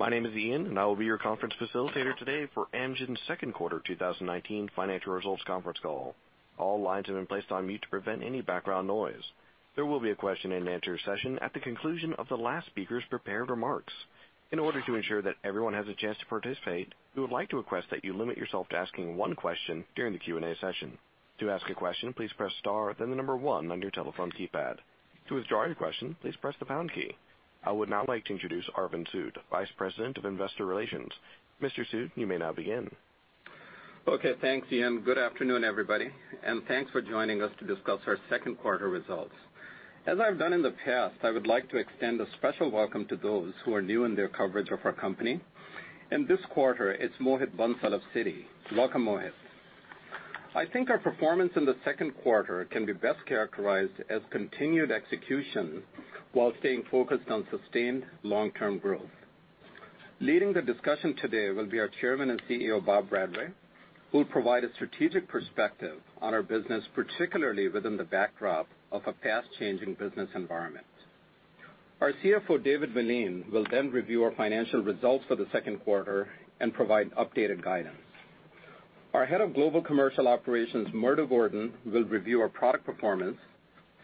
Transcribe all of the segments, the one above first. My name is Ian, and I will be your conference facilitator today for Amgen's second quarter 2019 financial results conference call. All lines have been placed on mute to prevent any background noise. There will be a question and answer session at the conclusion of the last speaker's prepared remarks. In order to ensure that everyone has a chance to participate, we would like to request that you limit yourself to asking one question during the Q&A session. To ask a question, please press star then the number one on your telephone keypad. To withdraw your question, please press the pound key. I would now like to introduce Arvind Sood, Vice President, Investor Relations. Mr. Sood, you may now begin. Okay. Thanks, Ian. Good afternoon, everybody, thanks for joining us to discuss our second quarter results. As I've done in the past, I would like to extend a special welcome to those who are new in their coverage of our company. In this quarter, it's Mohit Bansal of Citi. Welcome, Mohit. I think our performance in the second quarter can be best characterized as continued execution while staying focused on sustained long-term growth. Leading the discussion today will be our Chairman and CEO, Bob Bradway, who will provide a strategic perspective on our business, particularly within the backdrop of a fast-changing business environment. Our CFO, David Meline, will review our financial results for the second quarter and provide updated guidance. Our Head of Global Commercial Operations, Murdo Gordon, will review our product performance,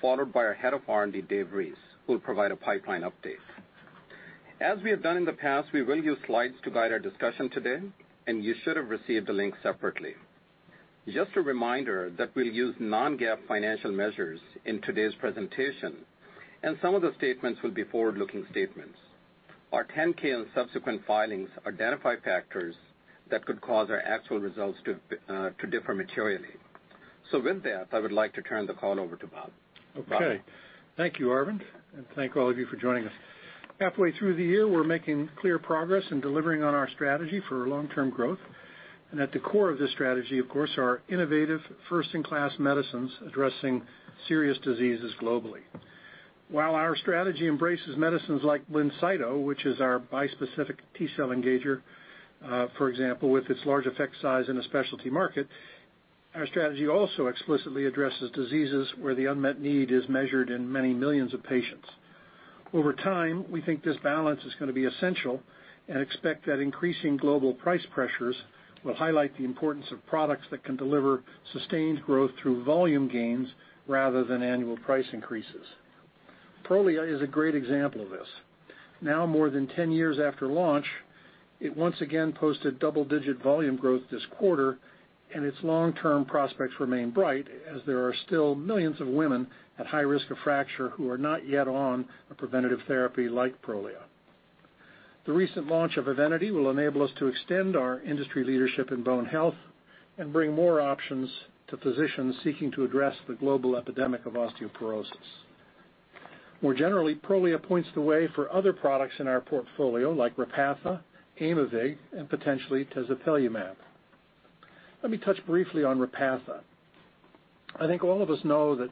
followed by our Head of R&D, Dave Reese, who will provide a pipeline update. As we have done in the past, we will use slides to guide our discussion today, and you should have received the link separately. Just a reminder that we'll use non-GAAP financial measures in today's presentation, and some of the statements will be forward-looking statements. Our 10-K and subsequent filings identify factors that could cause our actual results to differ materially. With that, I would like to turn the call over to Bob. Bob. Okay. Thank you, Arvind, and thank all of you for joining us. Halfway through the year, we're making clear progress in delivering on our strategy for long-term growth. At the core of this strategy, of course, are innovative first-in-class medicines addressing serious diseases globally. While our strategy embraces medicines like BLINCYTO, which is our bispecific T-cell engager, for example, with its large effect size in a specialty market, our strategy also explicitly addresses diseases where the unmet need is measured in many millions of patients. Over time, we think this balance is going to be essential and expect that increasing global price pressures will highlight the importance of products that can deliver sustained growth through volume gains rather than annual price increases. Prolia is a great example of this. More than 10 years after launch, it once again posted double-digit volume growth this quarter, its long-term prospects remain bright as there are still millions of women at high risk of fracture who are not yet on a preventative therapy like Prolia. The recent launch of EVENITY will enable us to extend our industry leadership in bone health and bring more options to physicians seeking to address the global epidemic of osteoporosis. More generally, Prolia points the way for other products in our portfolio like Repatha, Aimovig, and potentially tezepelumab. Let me touch briefly on Repatha. I think all of us know that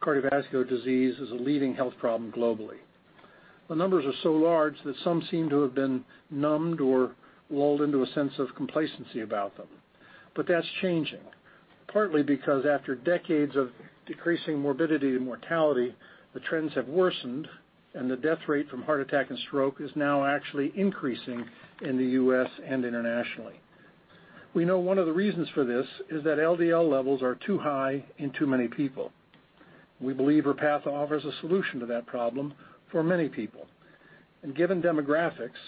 cardiovascular disease is a leading health problem globally. The numbers are so large that some seem to have been numbed or lulled into a sense of complacency about them. That's changing, partly because after decades of decreasing morbidity and mortality, the trends have worsened, and the death rate from heart attack and stroke is now actually increasing in the U.S. and internationally. We know one of the reasons for this is that LDL levels are too high in too many people. We believe Repatha offers a solution to that problem for many people. Given demographics,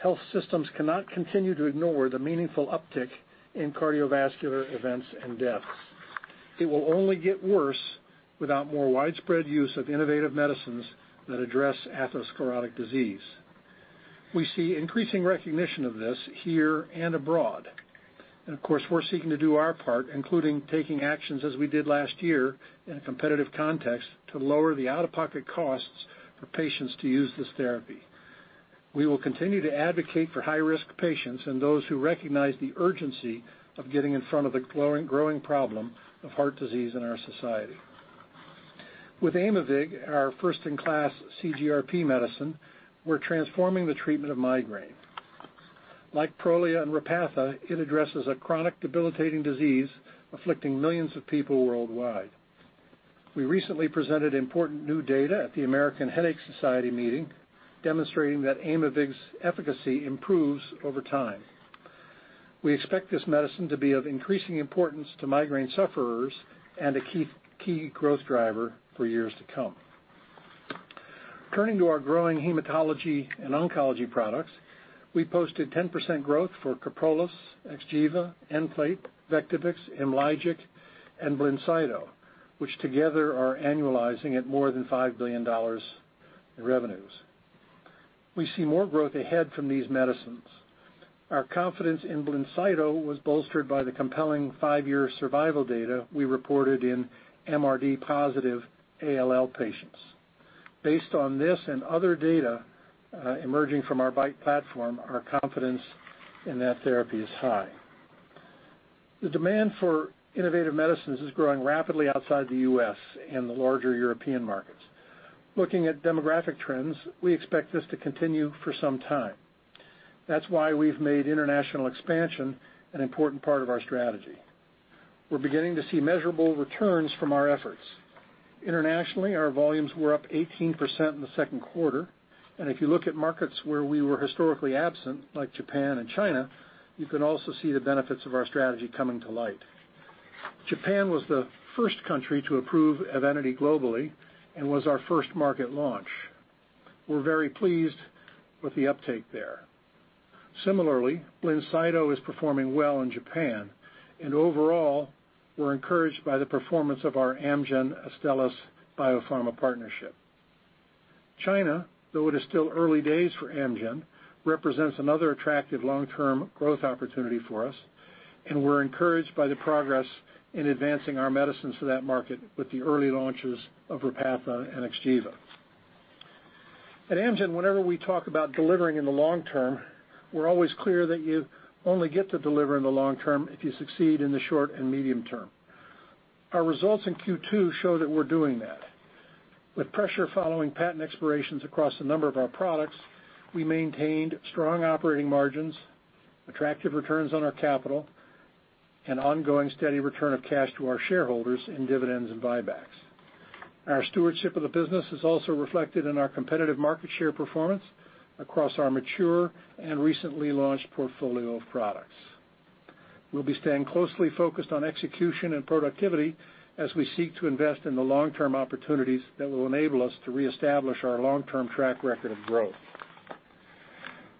health systems cannot continue to ignore the meaningful uptick in cardiovascular events and deaths. It will only get worse without more widespread use of innovative medicines that address atherosclerotic disease. We see increasing recognition of this here and abroad. Of course, we're seeking to do our part, including taking actions as we did last year in a competitive context, to lower the out-of-pocket costs for patients to use this therapy. We will continue to advocate for high-risk patients and those who recognize the urgency of getting in front of the growing problem of heart disease in our society. With Aimovig, our first-in-class CGRP medicine, we're transforming the treatment of migraine. Like Prolia and Repatha, it addresses a chronic debilitating disease afflicting millions of people worldwide. We recently presented important new data at the American Headache Society meeting, demonstrating that Aimovig's efficacy improves over time. We expect this medicine to be of increasing importance to migraine sufferers and a key growth driver for years to come. Turning to our growing hematology and oncology products, we posted 10% growth for KYPROLIS, XGEVA, Nplate, Vectibix, IMLYGIC, and BLINCYTO, which together are annualizing at more than $5 billion in revenues. We see more growth ahead from these medicines. Our confidence in BLINCYTO was bolstered by the compelling five-year survival data we reported in MRD positive ALL patients. Based on this and other data emerging from our BiTE platform, our confidence in that therapy is high. The demand for innovative medicines is growing rapidly outside the U.S. and the larger European markets. Looking at demographic trends, we expect this to continue for some time. That's why we've made international expansion an important part of our strategy. We're beginning to see measurable returns from our efforts. Internationally, our volumes were up 18% in the second quarter. If you look at markets where we were historically absent, like Japan and China, you can also see the benefits of our strategy coming to light. Japan was the first country to approve EVENITY globally and was our first market launch. We're very pleased with the uptake there. Similarly, BLINCYTO is performing well in Japan and overall, we're encouraged by the performance of our Amgen Astellas BioPharma partnership. China, though it is still early days for Amgen, represents another attractive long-term growth opportunity for us, and we're encouraged by the progress in advancing our medicines to that market with the early launches of Repatha and XGEVA. At Amgen, whenever we talk about delivering in the long term, we're always clear that you only get to deliver in the long term if you succeed in the short and medium term. Our results in Q2 show that we're doing that. With pressure following patent expirations across a number of our products, we maintained strong operating margins, attractive returns on our capital, and ongoing steady return of cash to our shareholders in dividends and buybacks. Our stewardship of the business is also reflected in our competitive market share performance across our mature and recently launched portfolio of products. We'll be staying closely focused on execution and productivity as we seek to invest in the long-term opportunities that will enable us to reestablish our long-term track record of growth.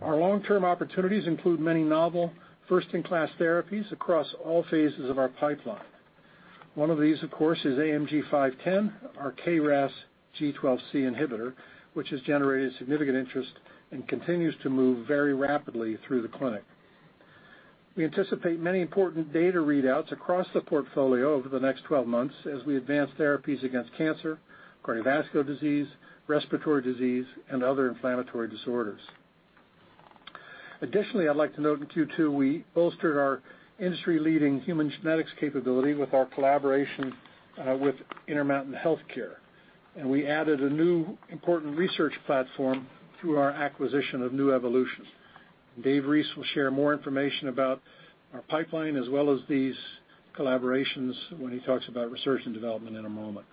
Our long-term opportunities include many novel first-in-class therapies across all phases of our pipeline. One of these, of course, is AMG 510, our KRAS G12C inhibitor, which has generated significant interest and continues to move very rapidly through the clinic. We anticipate many important data readouts across the portfolio over the next 12 months as we advance therapies against cancer, cardiovascular disease, respiratory disease, and other inflammatory disorders. I'd like to note in Q2, we bolstered our industry-leading human genetics capability with our collaboration with Intermountain Healthcare, and we added a new important research platform through our acquisition of Nuevolution. Dave Reese will share more information about our pipeline as well as these collaborations when he talks about research and development in a moment.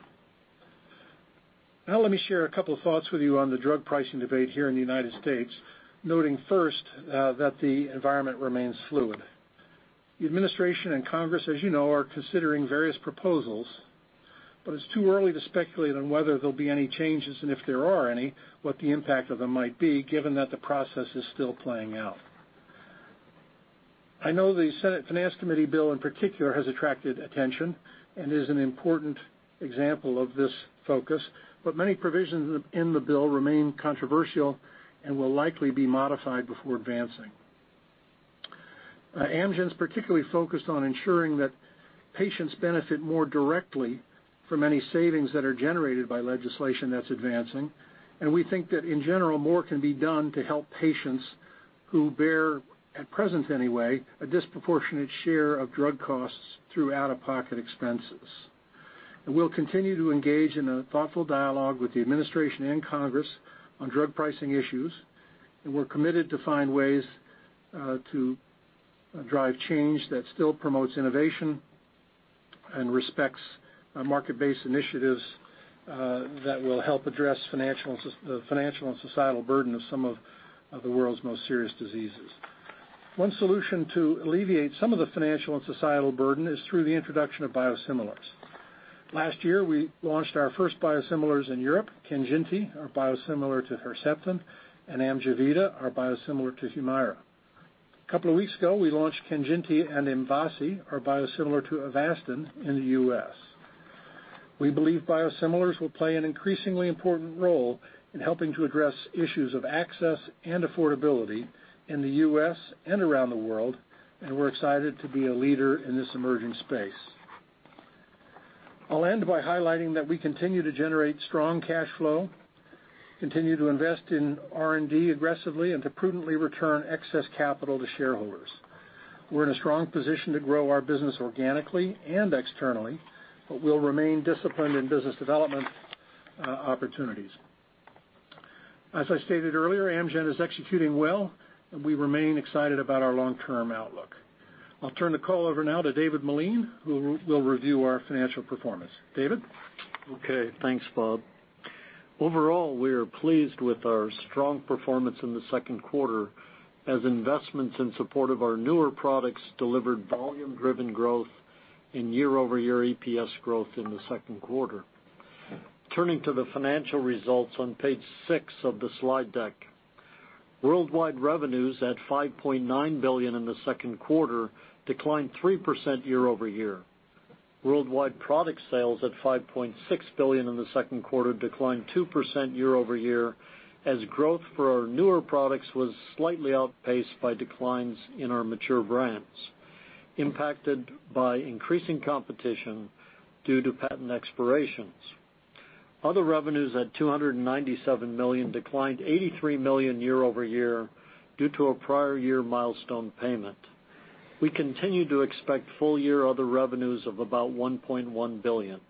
Let me share a couple of thoughts with you on the drug pricing debate here in the United States, noting first that the environment remains fluid. The administration and Congress, as you know, are considering various proposals, but it's too early to speculate on whether there'll be any changes and if there are any, what the impact of them might be given that the process is still playing out. I know the Senate Finance Committee bill in particular has attracted attention and is an important example of this focus, but many provisions in the bill remain controversial and will likely be modified before advancing. Amgen's particularly focused on ensuring that patients benefit more directly from any savings that are generated by legislation that's advancing, and we think that in general, more can be done to help patients who bear, at present anyway, a disproportionate share of drug costs through out-of-pocket expenses. We'll continue to engage in a thoughtful dialogue with the administration and Congress on drug pricing issues, and we're committed to find ways to drive change that still promotes innovation and respects market-based initiatives that will help address the financial and societal burden of some of the world's most serious diseases. One solution to alleviate some of the financial and societal burden is through the introduction of biosimilars. Last year, we launched our first biosimilars in Europe, KANJINTI, our biosimilar to Herceptin, and AMJEVITA, our biosimilar to HUMIRA. A couple of weeks ago, we launched KANJINTI and MVASI, our biosimilar to Avastin in the U.S. We believe biosimilars will play an increasingly important role in helping to address issues of access and affordability in the U.S. and around the world. We're excited to be a leader in this emerging space. I'll end by highlighting that we continue to generate strong cash flow, continue to invest in R&D aggressively, and to prudently return excess capital to shareholders. We're in a strong position to grow our business organically and externally. We'll remain disciplined in business development opportunities. As I stated earlier, Amgen is executing well, and we remain excited about our long-term outlook. I'll turn the call over now to David Meline, who will review our financial performance. David? Okay, thanks, Bob. Overall, we are pleased with our strong performance in the second quarter as investments in support of our newer products delivered volume-driven growth and year-over-year EPS growth in the second quarter. Turning to the financial results on page six of the slide deck. Worldwide revenues at $5.9 billion in the second quarter declined 3% year-over-year. Worldwide product sales at $5.6 billion in the second quarter declined 2% year-over-year as growth for our newer products was slightly outpaced by declines in our mature brands, impacted by increasing competition due to patent expirations. Other revenues at $297 million declined $83 million year-over-year due to a prior year milestone payment. We continue to expect full-year other revenues of about $1.1 billion.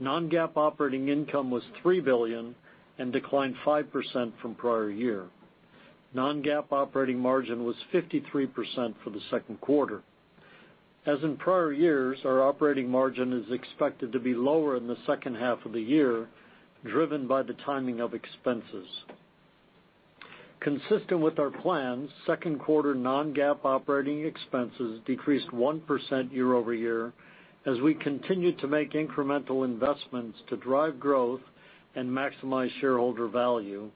Non-GAAP operating income was $3 billion and declined 5% from prior year. Non-GAAP operating margin was 53% for the second quarter. As in prior years, our operating margin is expected to be lower in the second half of the year, driven by the timing of expenses. Consistent with our plans, second quarter non-GAAP operating expenses decreased 1% year-over-year as we continued to make incremental investments to drive growth and maximize shareholder value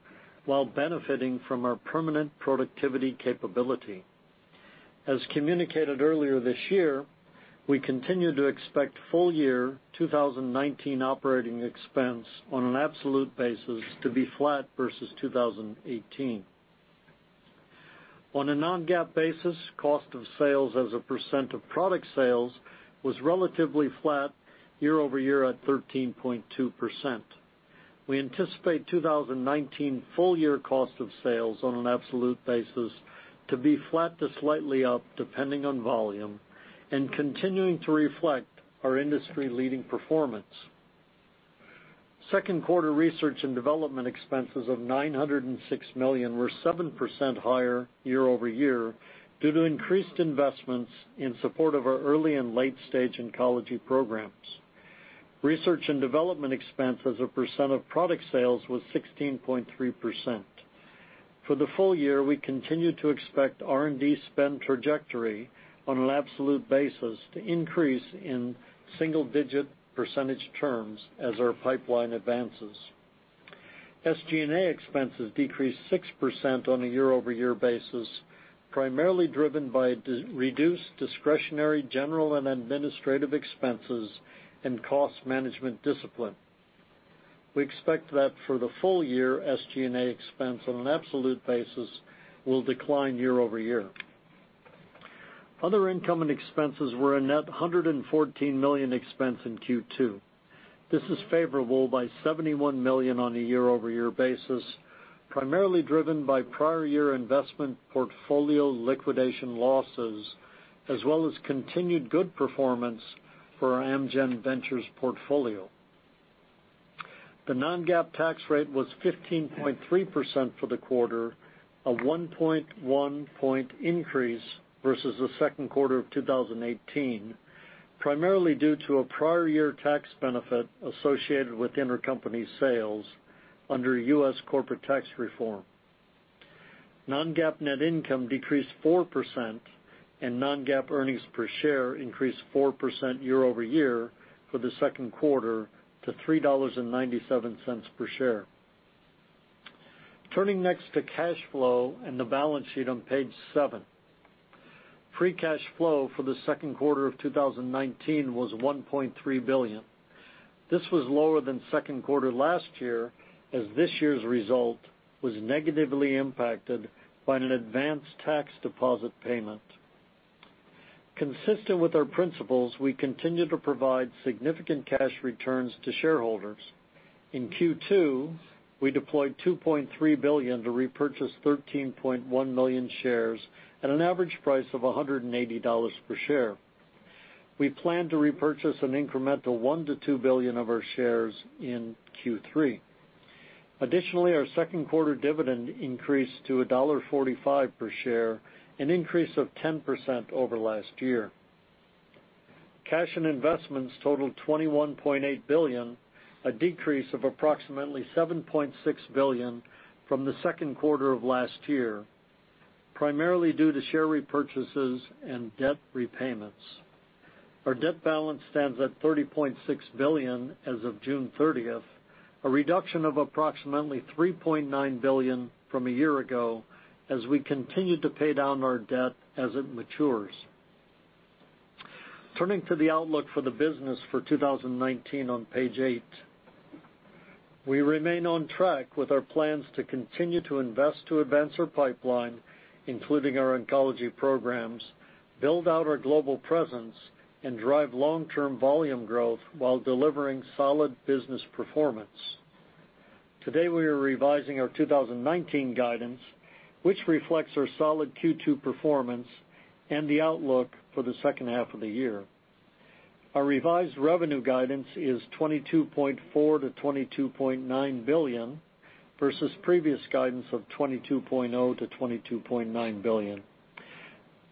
while benefiting from our permanent productivity capability. As communicated earlier this year, we continue to expect full-year 2019 operating expense on an absolute basis to be flat versus 2018. On a non-GAAP basis, cost of sales as a percent of product sales was relatively flat year-over-year at 13.2%. We anticipate 2019 full-year cost of sales on an absolute basis to be flat to slightly up, depending on volume, and continuing to reflect our industry-leading performance. Second quarter research and development expenses of $906 million were 7% higher year-over-year due to increased investments in support of our early and late-stage oncology programs. Research and development expense as a percent of product sales was 16.3%. For the full-year, we continue to expect R&D spend trajectory on an absolute basis to increase in single-digit percentage terms as our pipeline advances. SG&A expenses decreased 6% on a year-over-year basis, primarily driven by reduced discretionary general and administrative expenses and cost management discipline. We expect that for the full-year, SG&A expense on an absolute basis will decline year-over-year. Other income and expenses were a net $114 million expense in Q2. This is favorable by $71 million on a year-over-year basis, primarily driven by prior year investment portfolio liquidation losses, as well as continued good performance for our Amgen Ventures portfolio. The non-GAAP tax rate was 15.3% for the quarter, a 1.1 point increase versus the second quarter of 2018, primarily due to a prior year tax benefit associated with intercompany sales under U.S. corporate tax reform. Non-GAAP net income decreased 4%, and non-GAAP earnings per share increased 4% year-over-year for the second quarter to $3.97 per share. Turning next to cash flow and the balance sheet on page seven. Free cash flow for the second quarter of 2019 was $1.3 billion. This was lower than second quarter last year, as this year's result was negatively impacted by an advanced tax deposit payment. Consistent with our principles, we continue to provide significant cash returns to shareholders. In Q2, we deployed $2.3 billion to repurchase 13.1 million shares at an average price of $180 per share. We plan to repurchase an incremental $1 billion-$2 billion of our shares in Q3. Additionally, our second quarter dividend increased to $1.45 per share, an increase of 10% over last year. Cash and investments totaled $21.8 billion, a decrease of approximately $7.6 billion from the second quarter of last year, primarily due to share repurchases and debt repayments. Our debt balance stands at $30.6 billion as of June 30th, a reduction of approximately $3.9 billion from a year ago as we continue to pay down our debt as it matures. Turning to the outlook for the business for 2019 on page eight. We remain on track with our plans to continue to invest to advance our pipeline, including our oncology programs, build out our global presence, and drive long-term volume growth while delivering solid business performance. Today, we are revising our 2019 guidance, which reflects our solid Q2 performance and the outlook for the second half of the year. Our revised revenue guidance is $22.4 billion-$22.9 billion versus previous guidance of $22.0 billion-$22.9 billion.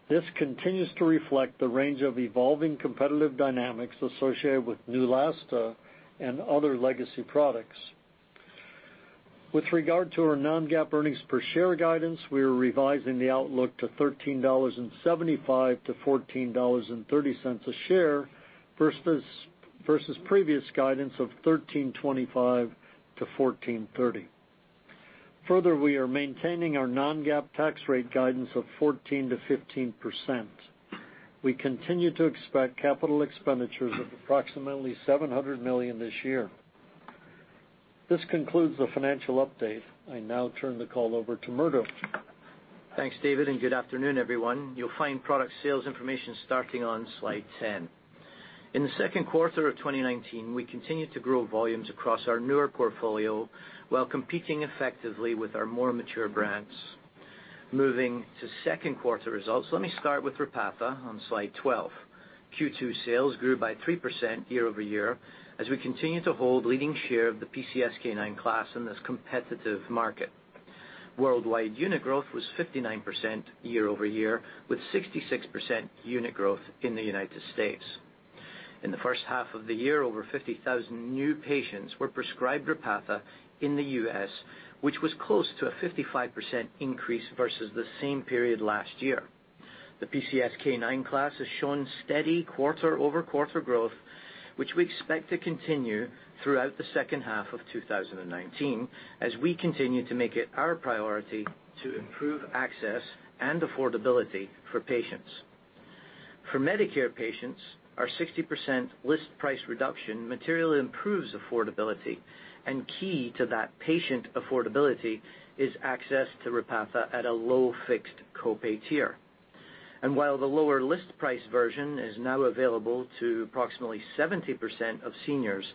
This continues to reflect the range of evolving competitive dynamics associated with Neulasta and other legacy products. With regard to our non-GAAP earnings per share guidance, we are revising the outlook to $13.75-$14.30 a share, versus previous guidance of $13.25-$14.30. Further, we are maintaining our non-GAAP tax rate guidance of 14%-15%. We continue to expect capital expenditures of approximately $700 million this year. This concludes the financial update. I now turn the call over to Murdo. Thanks, David, good afternoon, everyone. You'll find product sales information starting on slide 10. In the second quarter of 2019, we continued to grow volumes across our newer portfolio while competing effectively with our more mature brands. Moving to second quarter results. Let me start with Repatha on slide 12. Q2 sales grew by 3% year-over-year as we continue to hold leading share of the PCSK9 class in this competitive market. Worldwide unit growth was 59% year-over-year, with 66% unit growth in the U.S. In the first half of the year, over 50,000 new patients were prescribed Repatha in the U.S., which was close to a 55% increase versus the same period last year. The PCSK9 class has shown steady quarter-over-quarter growth, which we expect to continue throughout the second half of 2019 as we continue to make it our priority to improve access and affordability for patients. For Medicare patients, our 60% list price reduction materially improves affordability, and key to that patient affordability is access to Repatha at a low fixed copay tier. While the lower list price version is now available to approximately 70% of seniors,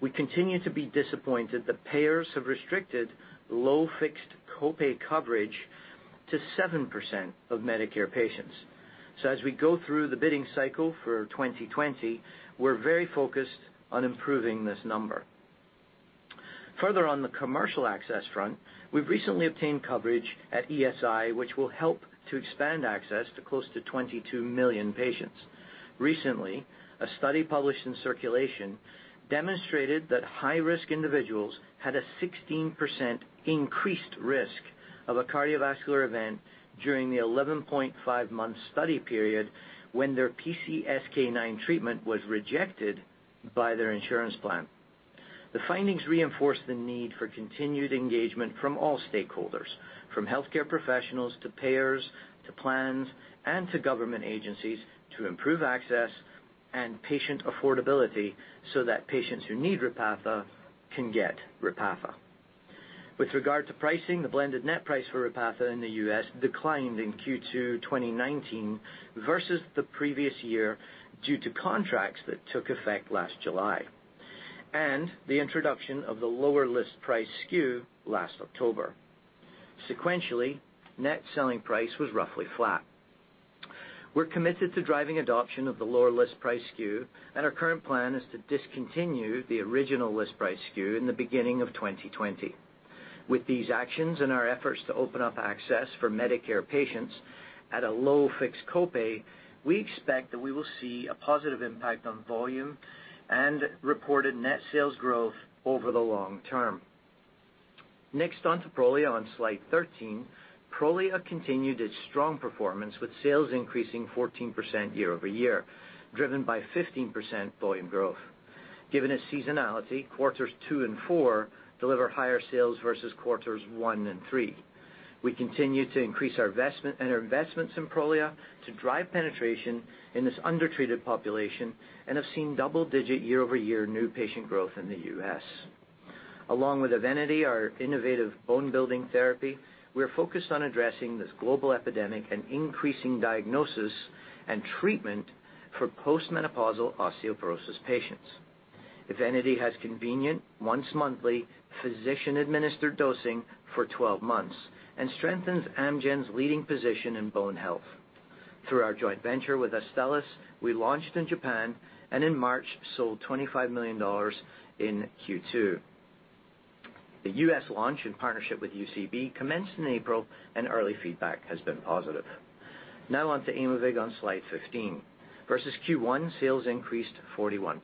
we continue to be disappointed that payers have restricted low fixed copay coverage to 7% of Medicare patients. As we go through the bidding cycle for 2020, we're very focused on improving this number. Further, on the commercial access front, we've recently obtained coverage at ESI, which will help to expand access to close to 22 million patients. Recently, a study published in Circulation demonstrated that high-risk individuals had a 16% increased risk of a cardiovascular event during the 11.5-month study period when their PCSK9 treatment was rejected by their insurance plan. The findings reinforce the need for continued engagement from all stakeholders, from healthcare professionals to payers, to plans, and to government agencies to improve access and patient affordability so that patients who need Repatha can get Repatha. With regard to pricing, the blended net price for Repatha in the U.S. declined in Q2 2019 versus the previous year due to contracts that took effect last July, and the introduction of the lower list price SKU last October. Sequentially, net selling price was roughly flat. We're committed to driving adoption of the lower list price SKU, and our current plan is to discontinue the original list price SKU in the beginning of 2020. With these actions and our efforts to open up access for Medicare patients at a low fixed copay, we expect that we will see a positive impact on volume and reported net sales growth over the long term. Next, onto Prolia on slide 13. Prolia continued its strong performance, with sales increasing 14% year-over-year, driven by 15% volume growth. Given its seasonality, quarters two and four deliver higher sales versus quarters one and three. We continue to increase our investments in Prolia to drive penetration in this undertreated population and have seen double-digit year-over-year new patient growth in the U.S. Along with EVENITY, our innovative bone-building therapy, we are focused on addressing this global epidemic and increasing diagnosis and treatment for post-menopausal osteoporosis patients. EVENITY has convenient once-monthly physician-administered dosing for 12 months and strengthens Amgen's leading position in bone health. Through our joint venture with Astellas, we launched in Japan and in March sold $25 million in Q2. The U.S. launch in partnership with UCB commenced in April, early feedback has been positive. Now on to Aimovig on slide 15. Versus Q1, sales increased 41%.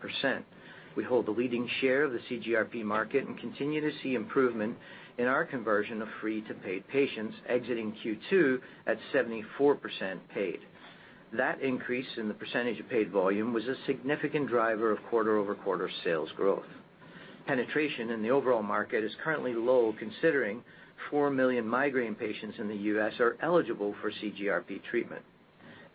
We hold the leading share of the CGRP market and continue to see improvement in our conversion of free to paid patients exiting Q2 at 74% paid. That increase in the percentage of paid volume was a significant driver of quarter-over-quarter sales growth. Penetration in the overall market is currently low considering 4 million migraine patients in the U.S. are eligible for CGRP treatment.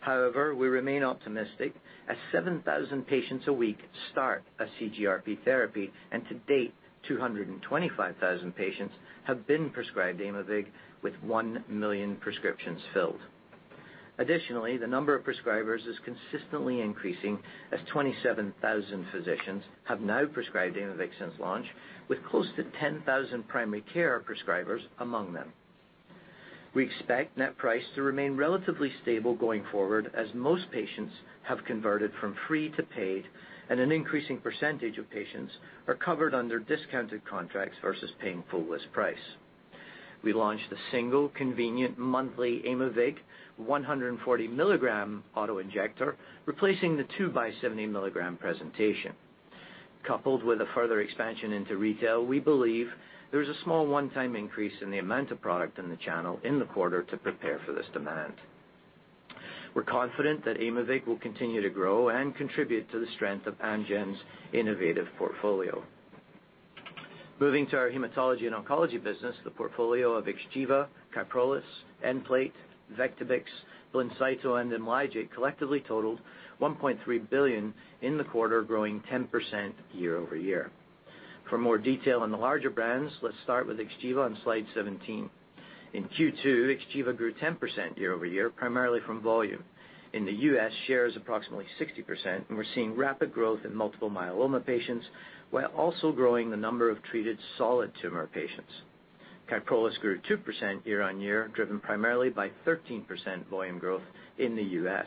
However, we remain optimistic as 7,000 patients a week start a CGRP therapy, to date, 225,000 patients have been prescribed Aimovig, with 1 million prescriptions filled. Additionally, the number of prescribers is consistently increasing as 27,000 physicians have now prescribed Aimovig since launch, with close to 10,000 primary care prescribers among them. We expect net price to remain relatively stable going forward as most patients have converted from free to paid and an increasing percentage of patients are covered under discounted contracts versus paying full list price. We launched the single convenient monthly Aimovig 140 mg auto-injector, replacing the 2x70 mg presentation. Coupled with a further expansion into retail, we believe there is a small one-time increase in the amount of product in the channel in the quarter to prepare for this demand. We're confident that Aimovig will continue to grow and contribute to the strength of Amgen's innovative portfolio. Moving to our hematology and oncology business, the portfolio of XGEVA, KYPROLIS, Nplate, Vectibix, BLINCYTO, and IMLYGIC collectively totaled $1.3 billion in the quarter, growing 10% year-over-year. For more detail on the larger brands, let's start with XGEVA on slide 17. In Q2, XGEVA grew 10% year-over-year, primarily from volume. In the U.S., share is approximately 60%, and we're seeing rapid growth in multiple myeloma patients while also growing the number of treated solid tumor patients. KYPROLIS grew 2% year-on-year, driven primarily by 13% volume growth in the U.S.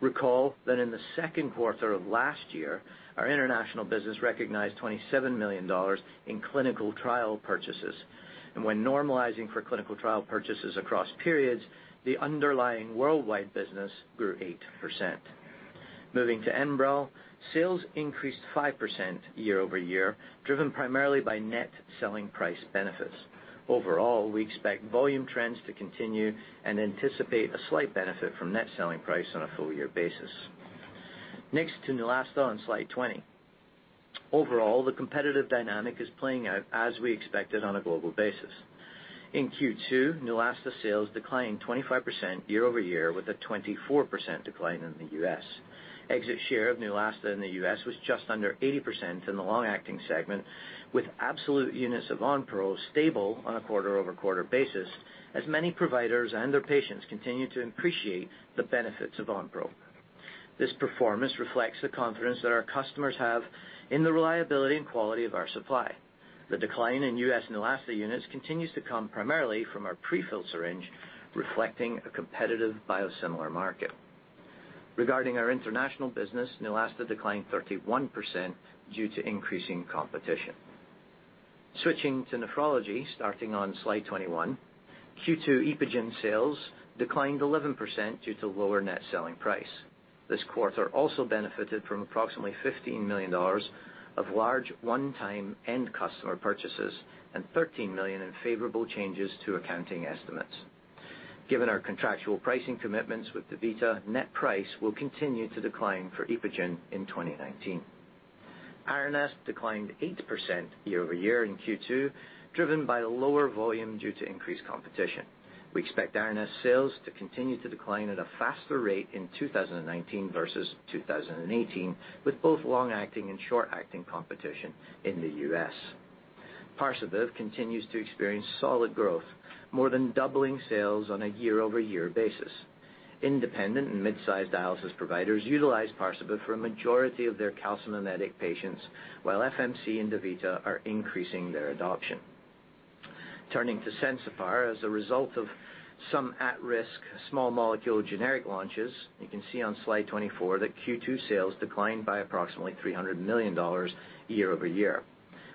Recall that in the second quarter of last year, our international business recognized $27 million in clinical trial purchases. When normalizing for clinical trial purchases across periods, the underlying worldwide business grew 8%. Moving to ENBREL, sales increased 5% year-over-year, driven primarily by net selling price benefits. Overall, we expect volume trends to continue and anticipate a slight benefit from net selling price on a full-year basis. Next to Neulasta on slide 20. Overall, the competitive dynamic is playing out as we expected on a global basis. In Q2, Neulasta sales declined 25% year-over-year, with a 24% decline in the U.S.. Exit share of Neulasta in the U.S. was just under 80% in the long-acting segment, with absolute units of Onpro stable on a quarter-over-quarter basis, as many providers and their patients continue to appreciate the benefits of Onpro. This performance reflects the confidence that our customers have in the reliability and quality of our supply. The decline in U.S. Neulasta units continues to come primarily from our prefill syringe, reflecting a competitive biosimilar market. Regarding our international business, Neulasta declined 31% due to increasing competition. Switching to nephrology, starting on slide 21. Q2 EPOGEN sales declined 11% due to lower net selling price. This quarter also benefited from approximately $15 million of large one-time end customer purchases and $13 million in favorable changes to accounting estimates. Given our contractual pricing commitments with DaVita, net price will continue to decline for EPOGEN in 2019. Aranesp declined 8% year-over-year in Q2, driven by lower volume due to increased competition. We expect Aranesp sales to continue to decline at a faster rate in 2019 versus 2018, with both long-acting and short-acting competition in the U.S.. Parsabiv continues to experience solid growth, more than doubling sales on a year-over-year basis. Independent and mid-sized dialysis providers utilize Parsabiv for a majority of their calcimimetic patients, while FMC and DaVita are increasing their adoption. Turning to SENSIPAR, as a result of some at-risk small molecule generic launches, you can see on slide 24 that Q2 sales declined by approximately $300 million year-over-year.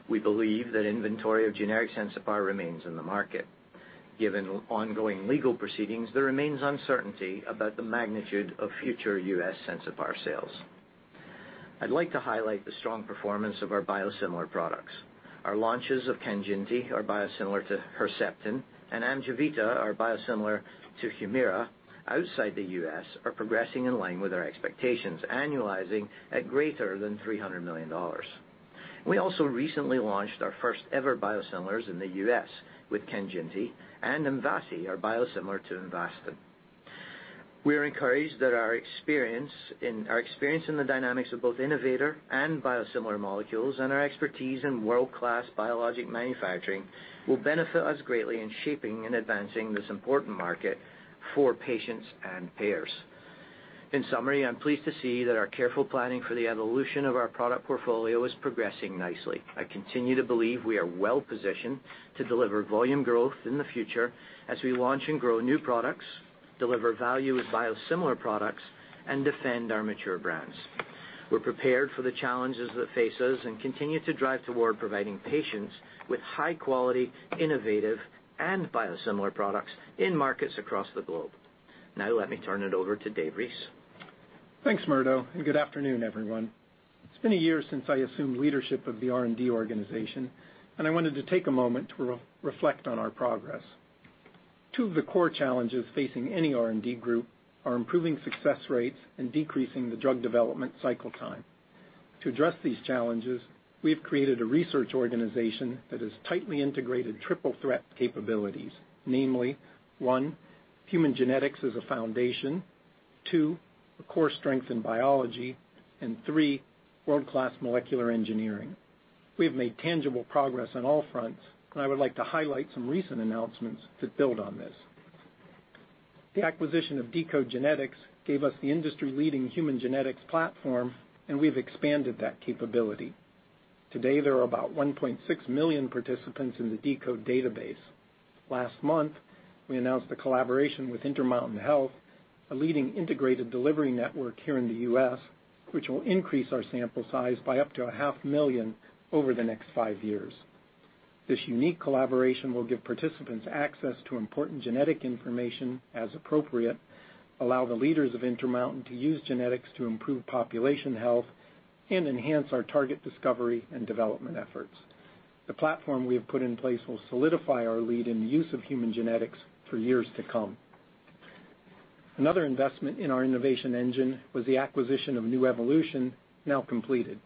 We believe that inventory of generic SENSIPAR remains in the market. Given ongoing legal proceedings, there remains uncertainty about the magnitude of future U.S. SENSIPAR sales. I'd like to highlight the strong performance of our biosimilar products. Our launches of KANJINTI, our biosimilar to Herceptin, and AMJEVITA, our biosimilar to HUMIRA, outside the U.S. are progressing in line with our expectations, annualizing at greater than $300 million. We also recently launched our first ever biosimilars in the U.S. with KANJINTI and MVASI, our biosimilar to Avastin. We are encouraged that our experience in the dynamics of both innovator and biosimilar molecules, and our expertise in world-class biologic manufacturing will benefit us greatly in shaping and advancing this important market for patients and payers. In summary, I'm pleased to see that our careful planning for the evolution of our product portfolio is progressing nicely. I continue to believe we are well-positioned to deliver volume growth in the future as we launch and grow new products, deliver value with biosimilar products, and defend our mature brands. We're prepared for the challenges that face us and continue to drive toward providing patients with high-quality, innovative, and biosimilar products in markets across the globe. Now let me turn it over to Dave Reese. Thanks, Murdo, and good afternoon, everyone. It's been a year since I assumed leadership of the R&D organization, and I wanted to take a moment to reflect on our progress. Two of the core challenges facing any R&D group are improving success rates and decreasing the drug development cycle time. To address these challenges, we've created a research organization that has tightly integrated triple threat capabilities, namely, one, human genetics as a foundation, two, a core strength in biology, and three, world-class molecular engineering. We have made tangible progress on all fronts, and I would like to highlight some recent announcements that build on this. The acquisition of deCODE genetics gave us the industry-leading human genetics platform, and we've expanded that capability. Today, there are about 1.6 million participants in the deCODE database. Last month, we announced a collaboration with Intermountain Healthcare, a leading integrated delivery network here in the U.S., which will increase our sample size by up to a half million over the next five years. This unique collaboration will give participants access to important genetic information as appropriate, allow the leaders of Intermountain to use genetics to improve population health, and enhance our target discovery and development efforts. The platform we have put in place will solidify our lead in the use of human genetics for years to come. Another investment in our innovation engine was the acquisition of Nuevolution, now completed.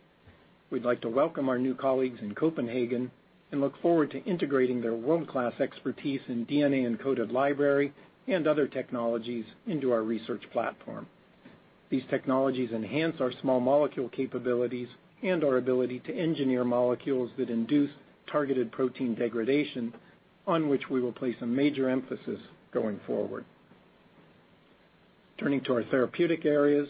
We'd like to welcome our new colleagues in Copenhagen and look forward to integrating their world-class expertise in DNA-encoded library and other technologies into our research platform. These technologies enhance our small molecule capabilities and our ability to engineer molecules that induce targeted protein degradation, on which we will place a major emphasis going forward. Turning to our therapeutic areas.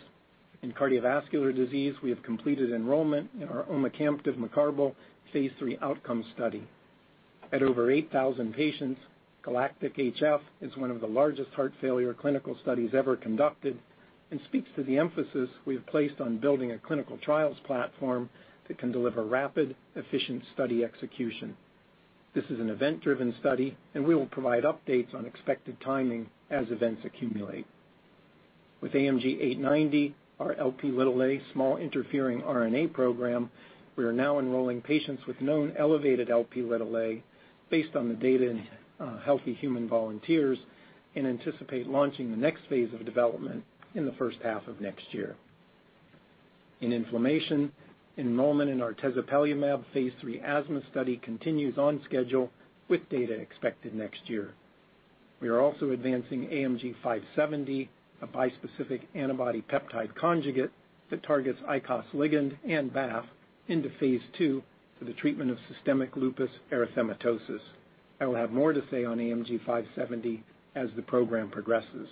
In cardiovascular disease, we have completed enrollment in our omecamtiv mecarbil phase III outcome study. At over 8,000 patients, GALACTIC-HF is one of the largest heart failure clinical studies ever conducted and speaks to the emphasis we have placed on building a clinical trials platform that can deliver rapid, efficient study execution. This is an event-driven study, and we will provide updates on expected timing as events accumulate. With AMG 890, our Lp(a) small interfering RNA program, we are now enrolling patients with known elevated Lp(a) based on the data in healthy human volunteers and anticipate launching the next phase of development in the first half of next year. In inflammation, enrollment in our tezepelumab phase III asthma study continues on schedule with data expected next year. We are also advancing AMG 570, a bispecific antibody-peptide conjugate that targets ICOS ligand and BAFF into phase II for the treatment of systemic lupus erythematosus. I will have more to say on AMG 570 as the program progresses.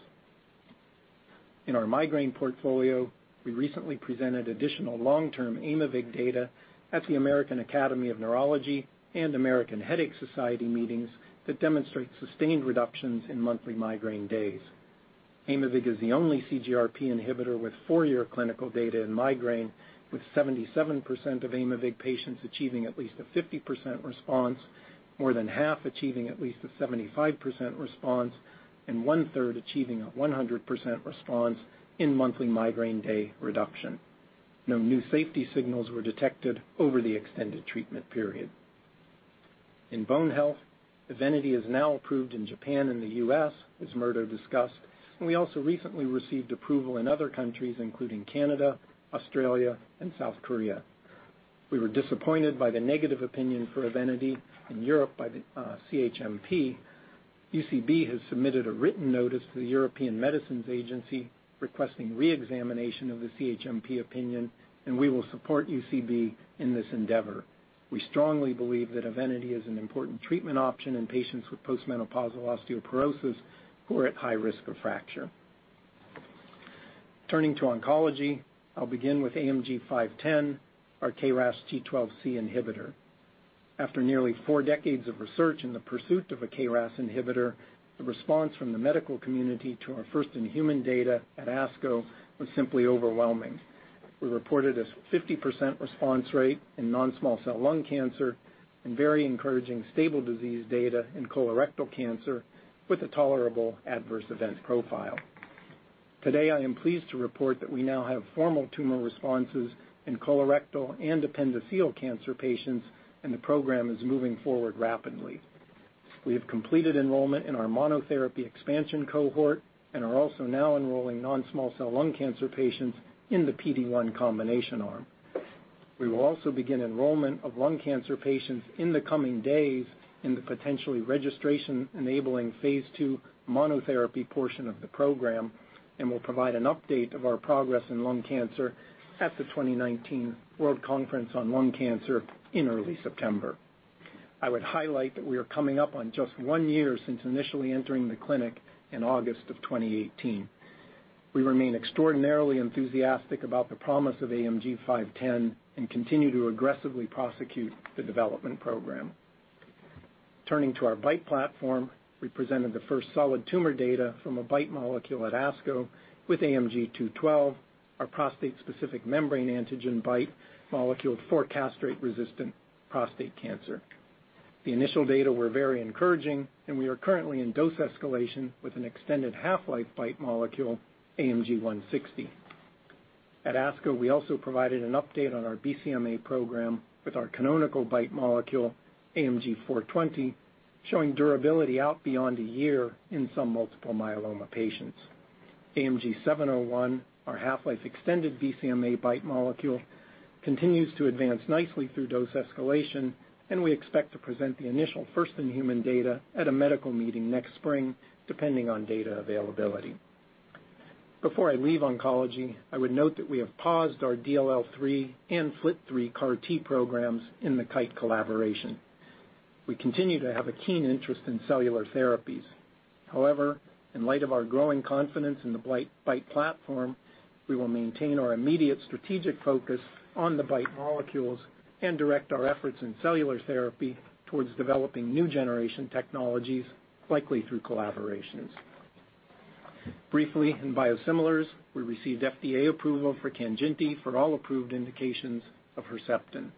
In our migraine portfolio, we recently presented additional long-term Aimovig data at the American Academy of Neurology and American Headache Society meetings that demonstrate sustained reductions in monthly migraine days. Aimovig is the only CGRP inhibitor with four-year clinical data in migraine, with 77% of Aimovig patients achieving at least a 50% response, more than half achieving at least a 75% response, and 1/3 achieving a 100% response in monthly migraine day reduction. No new safety signals were detected over the extended treatment period. In bone health, EVENITY is now approved in Japan and the U.S., as Murdo discussed, and we also recently received approval in other countries including Canada, Australia, and South Korea. We were disappointed by the negative opinion for EVENITY in Europe by the CHMP. UCB has submitted a written notice to the European Medicines Agency requesting re-examination of the CHMP opinion. We will support UCB in this endeavor. We strongly believe that EVENITY is an important treatment option in patients with post-menopausal osteoporosis who are at high risk of fracture. Turning to oncology, I'll begin with AMG 510, our KRAS G12C inhibitor. After nearly four decades of research in the pursuit of a KRAS inhibitor, the response from the medical community to our first-in-human data at ASCO was simply overwhelming. We reported a 50% response rate in non-small cell lung cancer and very encouraging stable disease data in colorectal cancer with a tolerable adverse event profile. Today, I am pleased to report that we now have formal tumor responses in colorectal and appendiceal cancer patients, and the program is moving forward rapidly. We have completed enrollment in our monotherapy expansion cohort and are also now enrolling non-small cell lung cancer patients in the PD-1 combination arm. We will also begin enrollment of lung cancer patients in the coming days in the potentially registration-enabling phase II monotherapy portion of the program and will provide an update of our progress in lung cancer at the 2019 World Conference on Lung Cancer in early September. I would highlight that we are coming up on just one year since initially entering the clinic in August of 2018. We remain extraordinarily enthusiastic about the promise of AMG 510 and continue to aggressively prosecute the development program. Turning to our BiTE platform, we presented the first solid tumor data from a BiTE molecule at ASCO with AMG 212, our prostate-specific membrane antigen BiTE molecule for castrate-resistant prostate cancer. The initial data were very encouraging. We are currently in dose escalation with an extended half-life BiTE molecule, AMG 160. At ASCO, we also provided an update on our BCMA program with our canonical BiTE molecule, AMG 420, showing durability out beyond a year in some multiple myeloma patients. AMG 701, our half-life extended BCMA BiTE molecule, continues to advance nicely through dose escalation. We expect to present the initial first-in-human data at a medical meeting next spring, depending on data availability. Before I leave oncology, I would note that we have paused our DLL3 and FLT3 CAR T programs in the Kite collaboration. We continue to have a keen interest in cellular therapies. However, in light of our growing confidence in the BiTE platform, we will maintain our immediate strategic focus on the BiTE molecules and direct our efforts in cellular therapy towards developing new generation technologies, likely through collaborations. Briefly, in biosimilars, we received FDA approval for KANJINTI for all approved indications of Herceptin.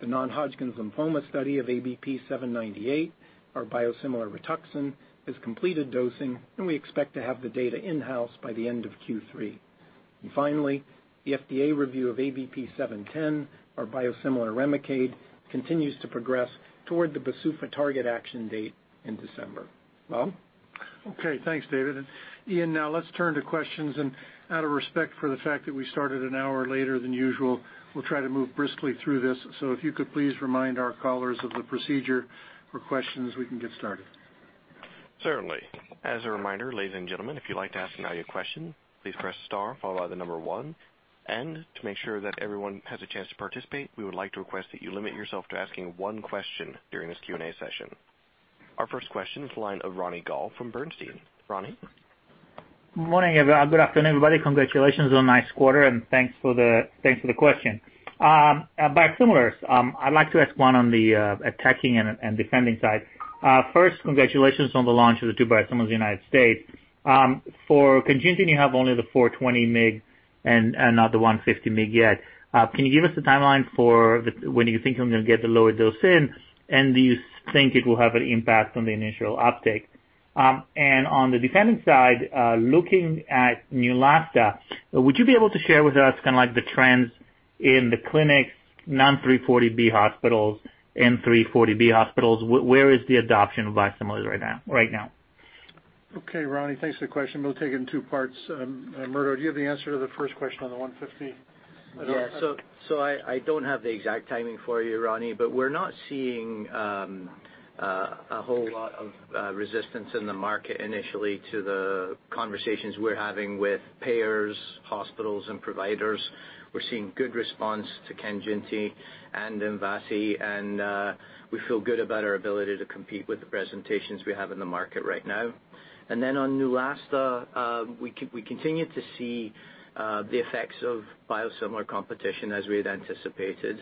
The non-Hodgkin's lymphoma study of ABP 798, our biosimilar RITUXAN, has completed dosing, and we expect to have the data in-house by the end of Q3. Finally, the FDA review of ABP 710, our biosimilar REMICADE, continues to progress toward the BsUFA target action date in December. Bob? Okay. Thanks, David. Ian, now let's turn to questions. Out of respect for the fact that we started an hour later than usual, we'll try to move briskly through this. If you could please remind our callers of the procedure for questions, we can get started. Certainly. As a reminder, ladies and gentlemen, if you'd like to ask an audio question, please press star followed by the number one. To make sure that everyone has a chance to participate, we would like to request that you limit yourself to asking one question during this Q&A session. Our first question is the line of Ronny Gal from Bernstein. Ronny? Morning, everyone. Good afternoon, everybody. Congratulations on nice quarter, and thanks for the question. About biosimilars, I'd like to ask one on the attacking and defending side. First, congratulations on the launch of the two biosimilars in the U.S. For KANJINTI, you have only the 420 mg and not the 150 mg yet. Can you give us a timeline for when you think you're going to get the lower dose in, and do you think it will have an impact on the initial uptake? On the defending side, looking at Neulasta, would you be able to share with us the trends in the clinics, non-340B hospitals and 340B hospitals? Where is the adoption of biosimilars right now? Okay, Ronny, thanks for the question. We'll take it in two parts. Murdo, do you have the answer to the first question on the 150? Yeah. I don't have the exact timing for you, Ronny, but we're not seeing a whole lot of resistance in the market initially to the conversations we're having with payers, hospitals, and providers. We're seeing good response to KANJINTI and MVASI, and we feel good about our ability to compete with the presentations we have in the market right now. On Neulasta, we continue to see the effects of biosimilar competition as we had anticipated.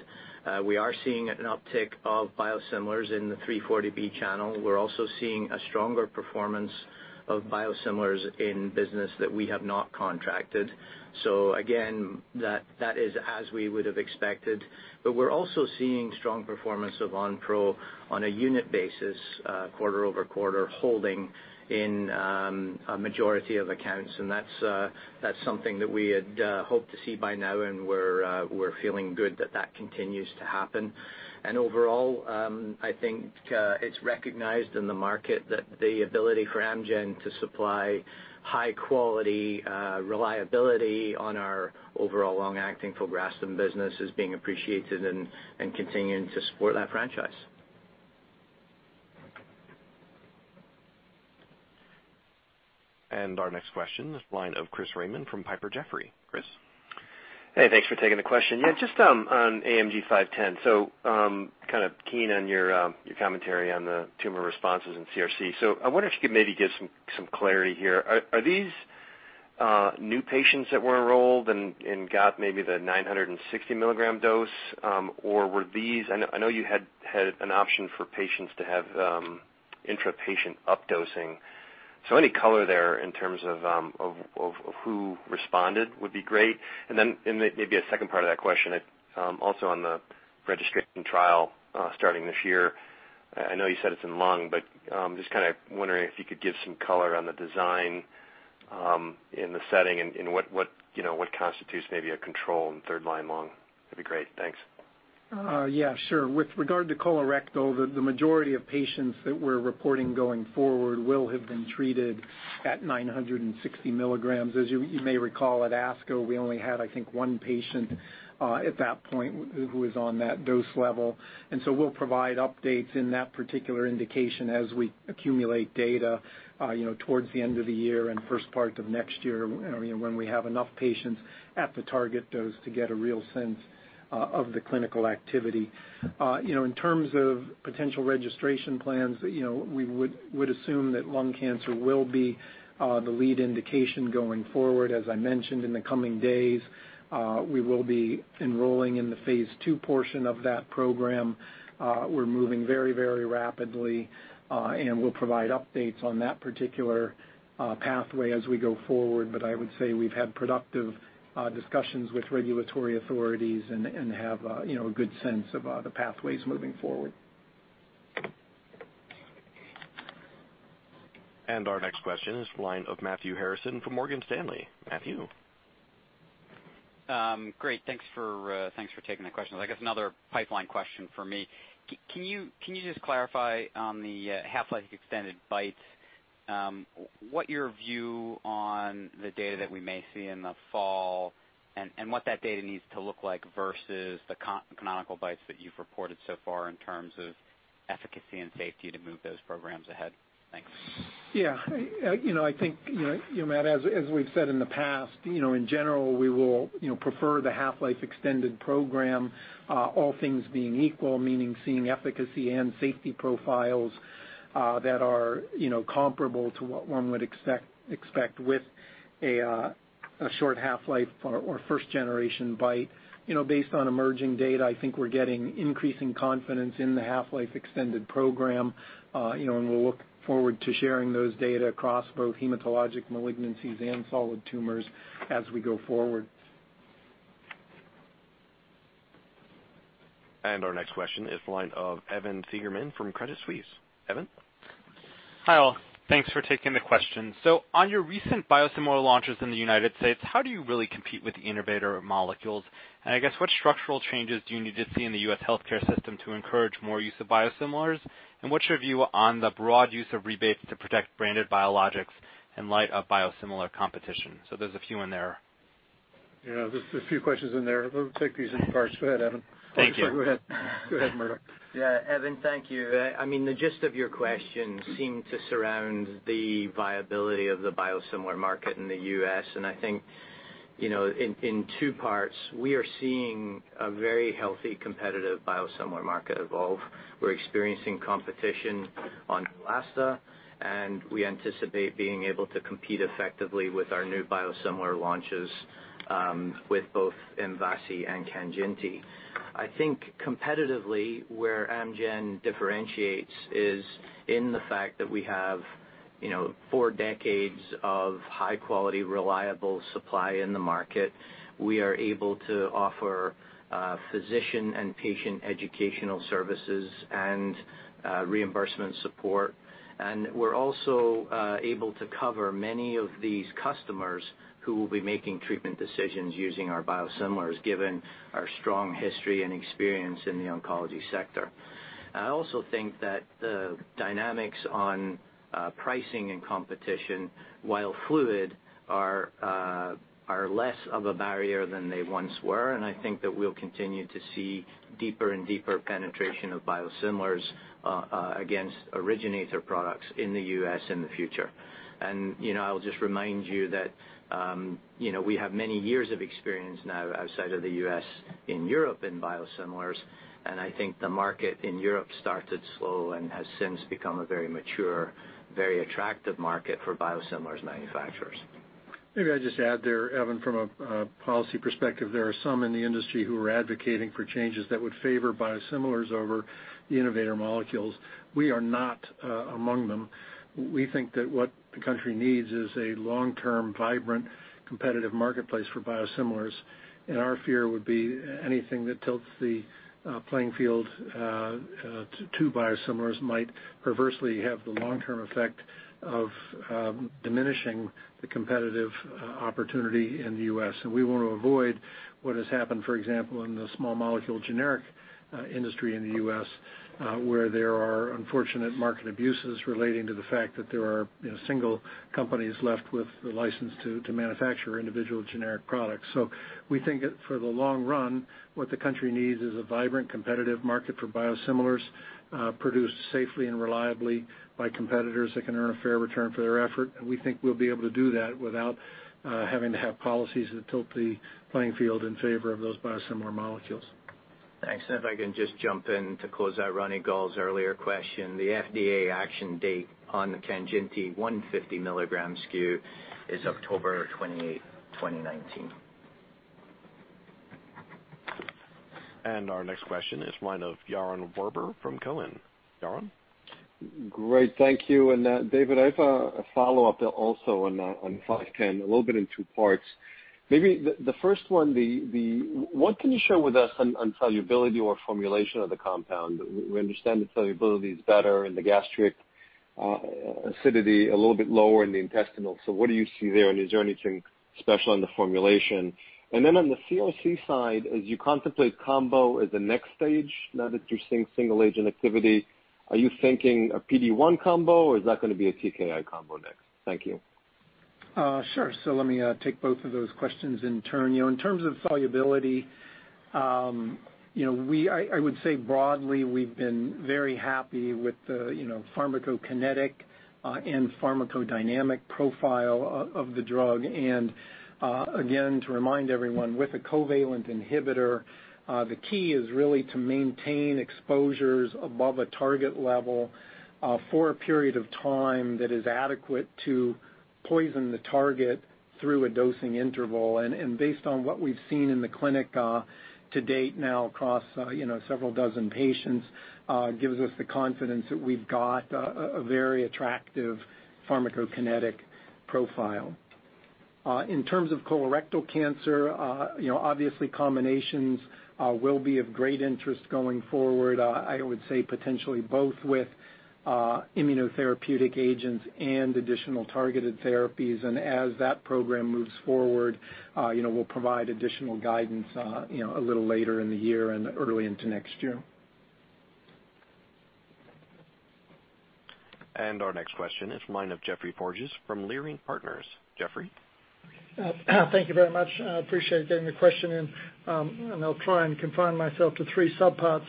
We are seeing an uptick of biosimilars in the 340B channel. We're also seeing a stronger performance of biosimilars in business that we have not contracted. Again, that is as we would've expected. We're also seeing strong performance of Onpro on a unit basis quarter-over-quarter, holding in a majority of accounts, and that's something that we had hoped to see by now, and we're feeling good that that continues to happen. Overall, I think it's recognized in the market that the ability for Amgen to supply high quality reliability on our overall long-acting filgrastim business is being appreciated and continuing to support that franchise. Our next question, this line of Chris Raymond from Piper Jaffray. Chris? Hey, thanks for taking the question. Yeah, just on AMG 510. Keen on your commentary on the tumor responses in CRC. I wonder if you could maybe give some clarity here. Are these new patients that were enrolled and got maybe the 960 mg dose, or were these I know you had an option for patients to have intra-patient updosing? Any color there in terms of who responded would be great. Maybe a second part of that question, also on the registration trial starting this year. I know you said it's in lung, but just kind of wondering if you could give some color on the design in the setting and what constitutes maybe a control in third line lung. That'd be great. Thanks. Yeah, sure. With regard to colorectal, the majority of patients that we're reporting going forward will have been treated at 960 mg. As you may recall, at ASCO, we only had, I think, one patient at that point who was on that dose level. We'll provide updates in that particular indication as we accumulate data towards the end of the year and first part of next year, when we have enough patients at the target dose to get a real sense of the clinical activity. In terms of potential registration plans, we would assume that lung cancer will be the lead indication going forward. As I mentioned, in the coming days, we will be enrolling in the phase II portion of that program. We're moving very rapidly, and we'll provide updates on that particular pathway as we go forward. I would say we've had productive discussions with regulatory authorities and have a good sense of the pathways moving forward. Our next question is the line of Matthew Harrison from Morgan Stanley. Matthew? Great. Thanks for taking the question. I guess another pipeline question from me. Can you just clarify on the half-life extended BiTEs, what your view on the data that we may see in the fall and what that data needs to look like versus the canonical BiTEs that you've reported so far in terms of efficacy and safety to move those programs ahead? Thanks. I think, Matt, as we've said in the past, in general, we will prefer the half-life extended program all things being equal, meaning seeing efficacy and safety profiles that are comparable to what one would expect with a short half-life or first generation BiTE. Based on emerging data, I think we're getting increasing confidence in the half-life extended program. We'll look forward to sharing those data across both hematologic malignancies and solid tumors as we go forward. Our next question is the line of Evan Seigerman from Credit Suisse. Evan? Hi, all. Thanks for taking the question. On your recent biosimilar launches in the U.S., how do you really compete with the innovator molecules? I guess what structural changes do you need to see in the U.S. healthcare system to encourage more use of biosimilars? What's your view on the broad use of rebates to protect branded biologics in light of biosimilar competition? There's a few in there. Yeah, there's a few questions in there. We'll take these in parts. Go ahead, Evan. Thank you. Sorry, go ahead. Go ahead, Murdo. Yeah, Evan, thank you. The gist of your question seemed to surround the viability of the biosimilar market in the U.S., and I think in two parts, we are seeing a very healthy, competitive biosimilar market evolve. We're experiencing competition on Neulasta, and we anticipate being able to compete effectively with our new biosimilar launches with both MVASI and KANJINTI. I think competitively, where Amgen differentiates is in the fact that we have four decades of high-quality, reliable supply in the market. We are able to offer physician and patient educational services and reimbursement support, and we're also able to cover many of these customers who will be making treatment decisions using our biosimilars, given our strong history and experience in the oncology sector. I also think that the dynamics on pricing and competition, while fluid, are less of a barrier than they once were. I think that we'll continue to see deeper and deeper penetration of biosimilars against originator products in the U.S. in the future. I'll just remind you that we have many years of experience now outside of the U.S. in Europe in biosimilars. I think the market in Europe started slow and has since become a very mature, very attractive market for biosimilars manufacturers. Maybe I'd just add there, Evan, from a policy perspective, there are some in the industry who are advocating for changes that would favor biosimilars over the innovator molecules. We are not among them. We think that what the country needs is a long-term, vibrant, competitive marketplace for biosimilars. Our fear would be anything that tilts the playing field to biosimilars might perversely have the long-term effect of diminishing the competitive opportunity in the U.S. We want to avoid what has happened, for example, in the small molecule generic industry in the U.S., where there are unfortunate market abuses relating to the fact that there are single companies left with the license to manufacture individual generic products. We think for the long run, what the country needs is a vibrant, competitive market for biosimilars produced safely and reliably by competitors that can earn a fair return for their effort. We think we'll be able to do that without having to have policies that tilt the playing field in favor of those biosimilar molecules. Thanks. If I can just jump in to close out Ronny Gal's earlier question. The FDA action date on the KANJINTI 150 mg SKU is October 28th, 2019. Our next question is mine of Yaron Werber from Cowen. Yaron? Great. Thank you. David, I have a follow-up also on AMG 510, a little bit in two parts. Maybe the first one, what can you share with us on solubility or formulation of the compound? We understand the solubility is better in the gastric acidity, a little bit lower in the intestinal. What do you see there, and is there anything special in the formulation? Then on the CRC side, as you contemplate combo as the next stage now that you're seeing single agent activity, are you thinking a PD-1 combo, or is that going to be a TKI combo next? Thank you. Sure. Let me take both of those questions in turn. In terms of solubility, I would say broadly, we've been very happy with the pharmacokinetic and pharmacodynamic profile of the drug. Again, to remind everyone, with a covalent inhibitor, the key is really to maintain exposures above a target level for a period of time that is adequate to poison the target through a dosing interval. Based on what we've seen in the clinic to date now across several dozen patients, gives us the confidence that we've got a very attractive pharmacokinetic profile. In terms of colorectal cancer, obviously combinations will be of great interest going forward, I would say potentially both with immunotherapeutic agents and additional targeted therapies. As that program moves forward, we'll provide additional guidance a little later in the year and early into next year. Our next question is mine of Geoffrey Porges from Leerink Partners. Geoffrey? Thank you very much. I appreciate getting the question in. I'll try and confine myself to three sub-parts.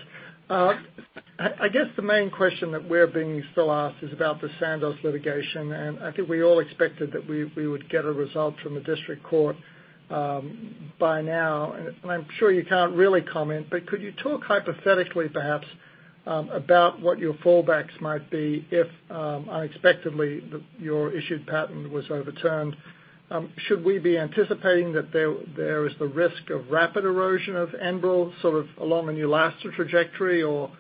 I guess the main question that we're being still asked is about the Sandoz litigation, and I think we all expected that we would get a result from the district court by now. I'm sure you can't really comment, but could you talk hypothetically perhaps about what your fallbacks might be if unexpectedly your issued patent was overturned? Should we be anticipating that there is the risk of rapid erosion of ENBREL, sort of along a new Neulasta trajectory, or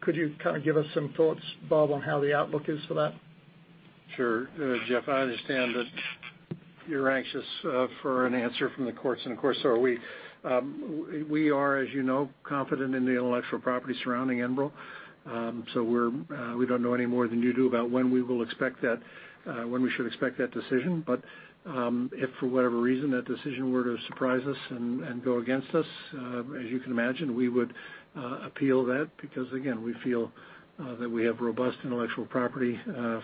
could you kind of give us some thoughts, Bob, on how the outlook is for that? Sure. Geoff, I understand that you're anxious for an answer from the courts, and of course, so are we. We are, as you know, confident in the intellectual property surrounding ENBREL. We don't know any more than you do about when we should expect that decision. If for whatever reason that decision were to surprise us and go against us, as you can imagine, we would appeal that because, again, we feel that we have robust intellectual property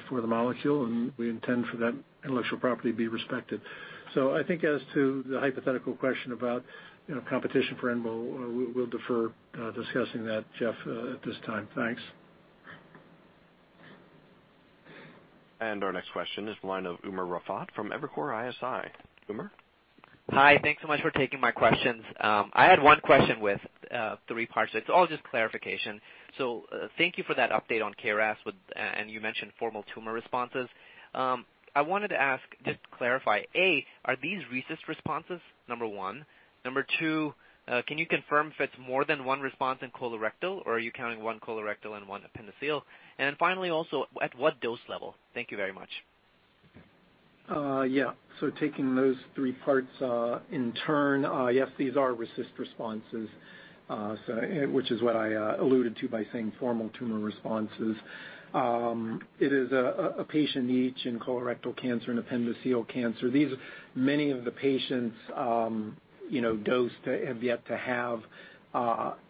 for the molecule, and we intend for that intellectual property to be respected. I think as to the hypothetical question about competition for ENBREL, we'll defer discussing that, Geoff, at this time. Thanks. Our next question is from the line of Umer Raffat from Evercore ISI. Umer? Hi. Thanks so much for taking my questions. I had one question with three parts. It's all just clarification. Thank you for that update on KRAS, and you mentioned formal tumor responses. I wanted to ask just to clarify, A, are these RECIST responses? Number one. Number two, can you confirm if it's more than one response in colorectal, or are you counting one colorectal and one appendiceal? Finally, also, at what dose level? Thank you very much. Taking those three parts in turn, yes, these are RECIST responses, which is what I alluded to by saying formal tumor responses. It is a patient each in colorectal cancer and appendiceal cancer. Many of the patients dosed have yet to have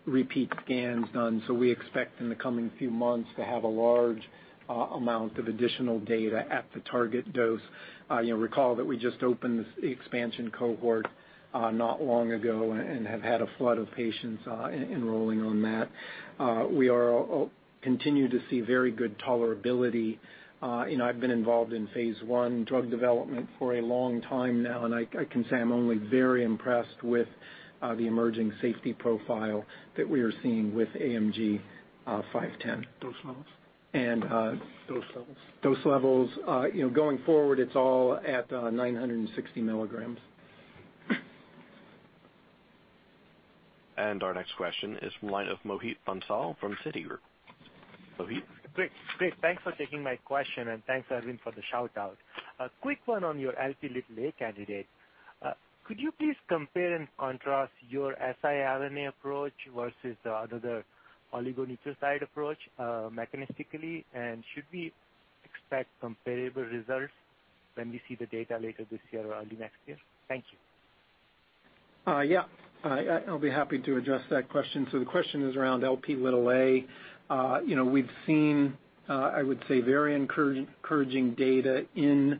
repeat scans done. We expect in the coming few months to have a large amount of additional data at the target dose. Recall that we just opened the expansion cohort not long ago and have had a flood of patients enrolling on that. We continue to see very good tolerability. I've been involved in phase I drug development for a long time now, and I can say I'm only very impressed with the emerging safety profile that we are seeing with AMG 510. Dose levels. And- Dose levels. Dose levels. Going forward, it's all at 960 mg. Our next question is from the line of Mohit Bansal from Citigroup. Mohit? Great. Thanks for taking my question, and thanks, Arvind, for the shout-out. A quick one on your Lp(a) candidate. Could you please compare and contrast your siRNA approach versus another oligonucleotide approach mechanistically? Should we expect comparable results when we see the data later this year or early next year? Thank you. Yeah. I'll be happy to address that question. The question is around Lp(a). We've seen, I would say, very encouraging data in the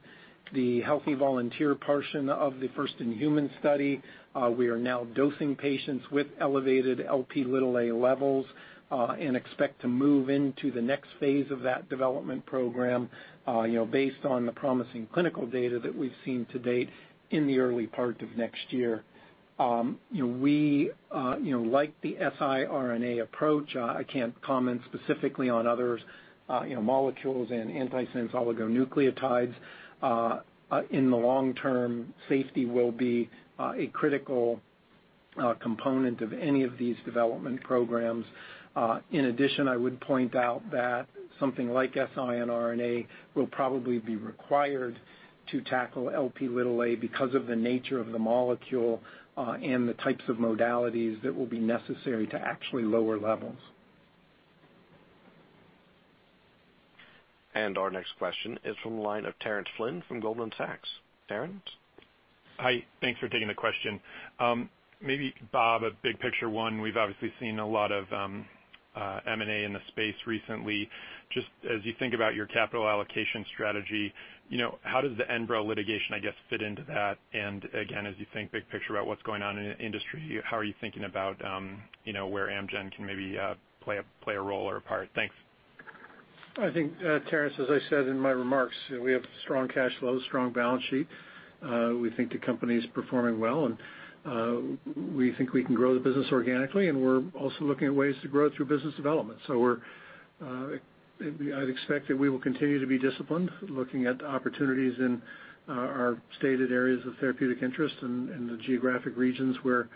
healthy volunteer portion of the first-in-human study. We are now dosing patients with elevated Lp(a) levels, and expect to move into the next phase of that development program based on the promising clinical data that we've seen to date in the early part of next year. We like the siRNA approach. I can't comment specifically on others molecules and antisense oligonucleotides. In the long term, safety will be a critical component of any of these development programs. In addition, I would point out that something like siRNA will probably be required to tackle Lp(a) because of the nature of the molecule, and the types of modalities that will be necessary to actually lower levels. Our next question is from the line of Terence Flynn from Goldman Sachs. Terence? Hi. Thanks for taking the question. Maybe, Bob, a big picture one. We've obviously seen a lot of M&A in the space recently. Just as you think about your capital allocation strategy, how does the ENBREL litigation, I guess, fit into that? Again, as you think big picture about what's going on in the industry, how are you thinking about where Amgen can maybe play a role or a part? Thanks. I think, Terence, as I said in my remarks, we have strong cash flow, strong balance sheet. We think the company is performing well, and we think we can grow the business organically, and we're also looking at ways to grow through business development. I'd expect that we will continue to be disciplined, looking at opportunities in our stated areas of therapeutic interest in the geographic regions where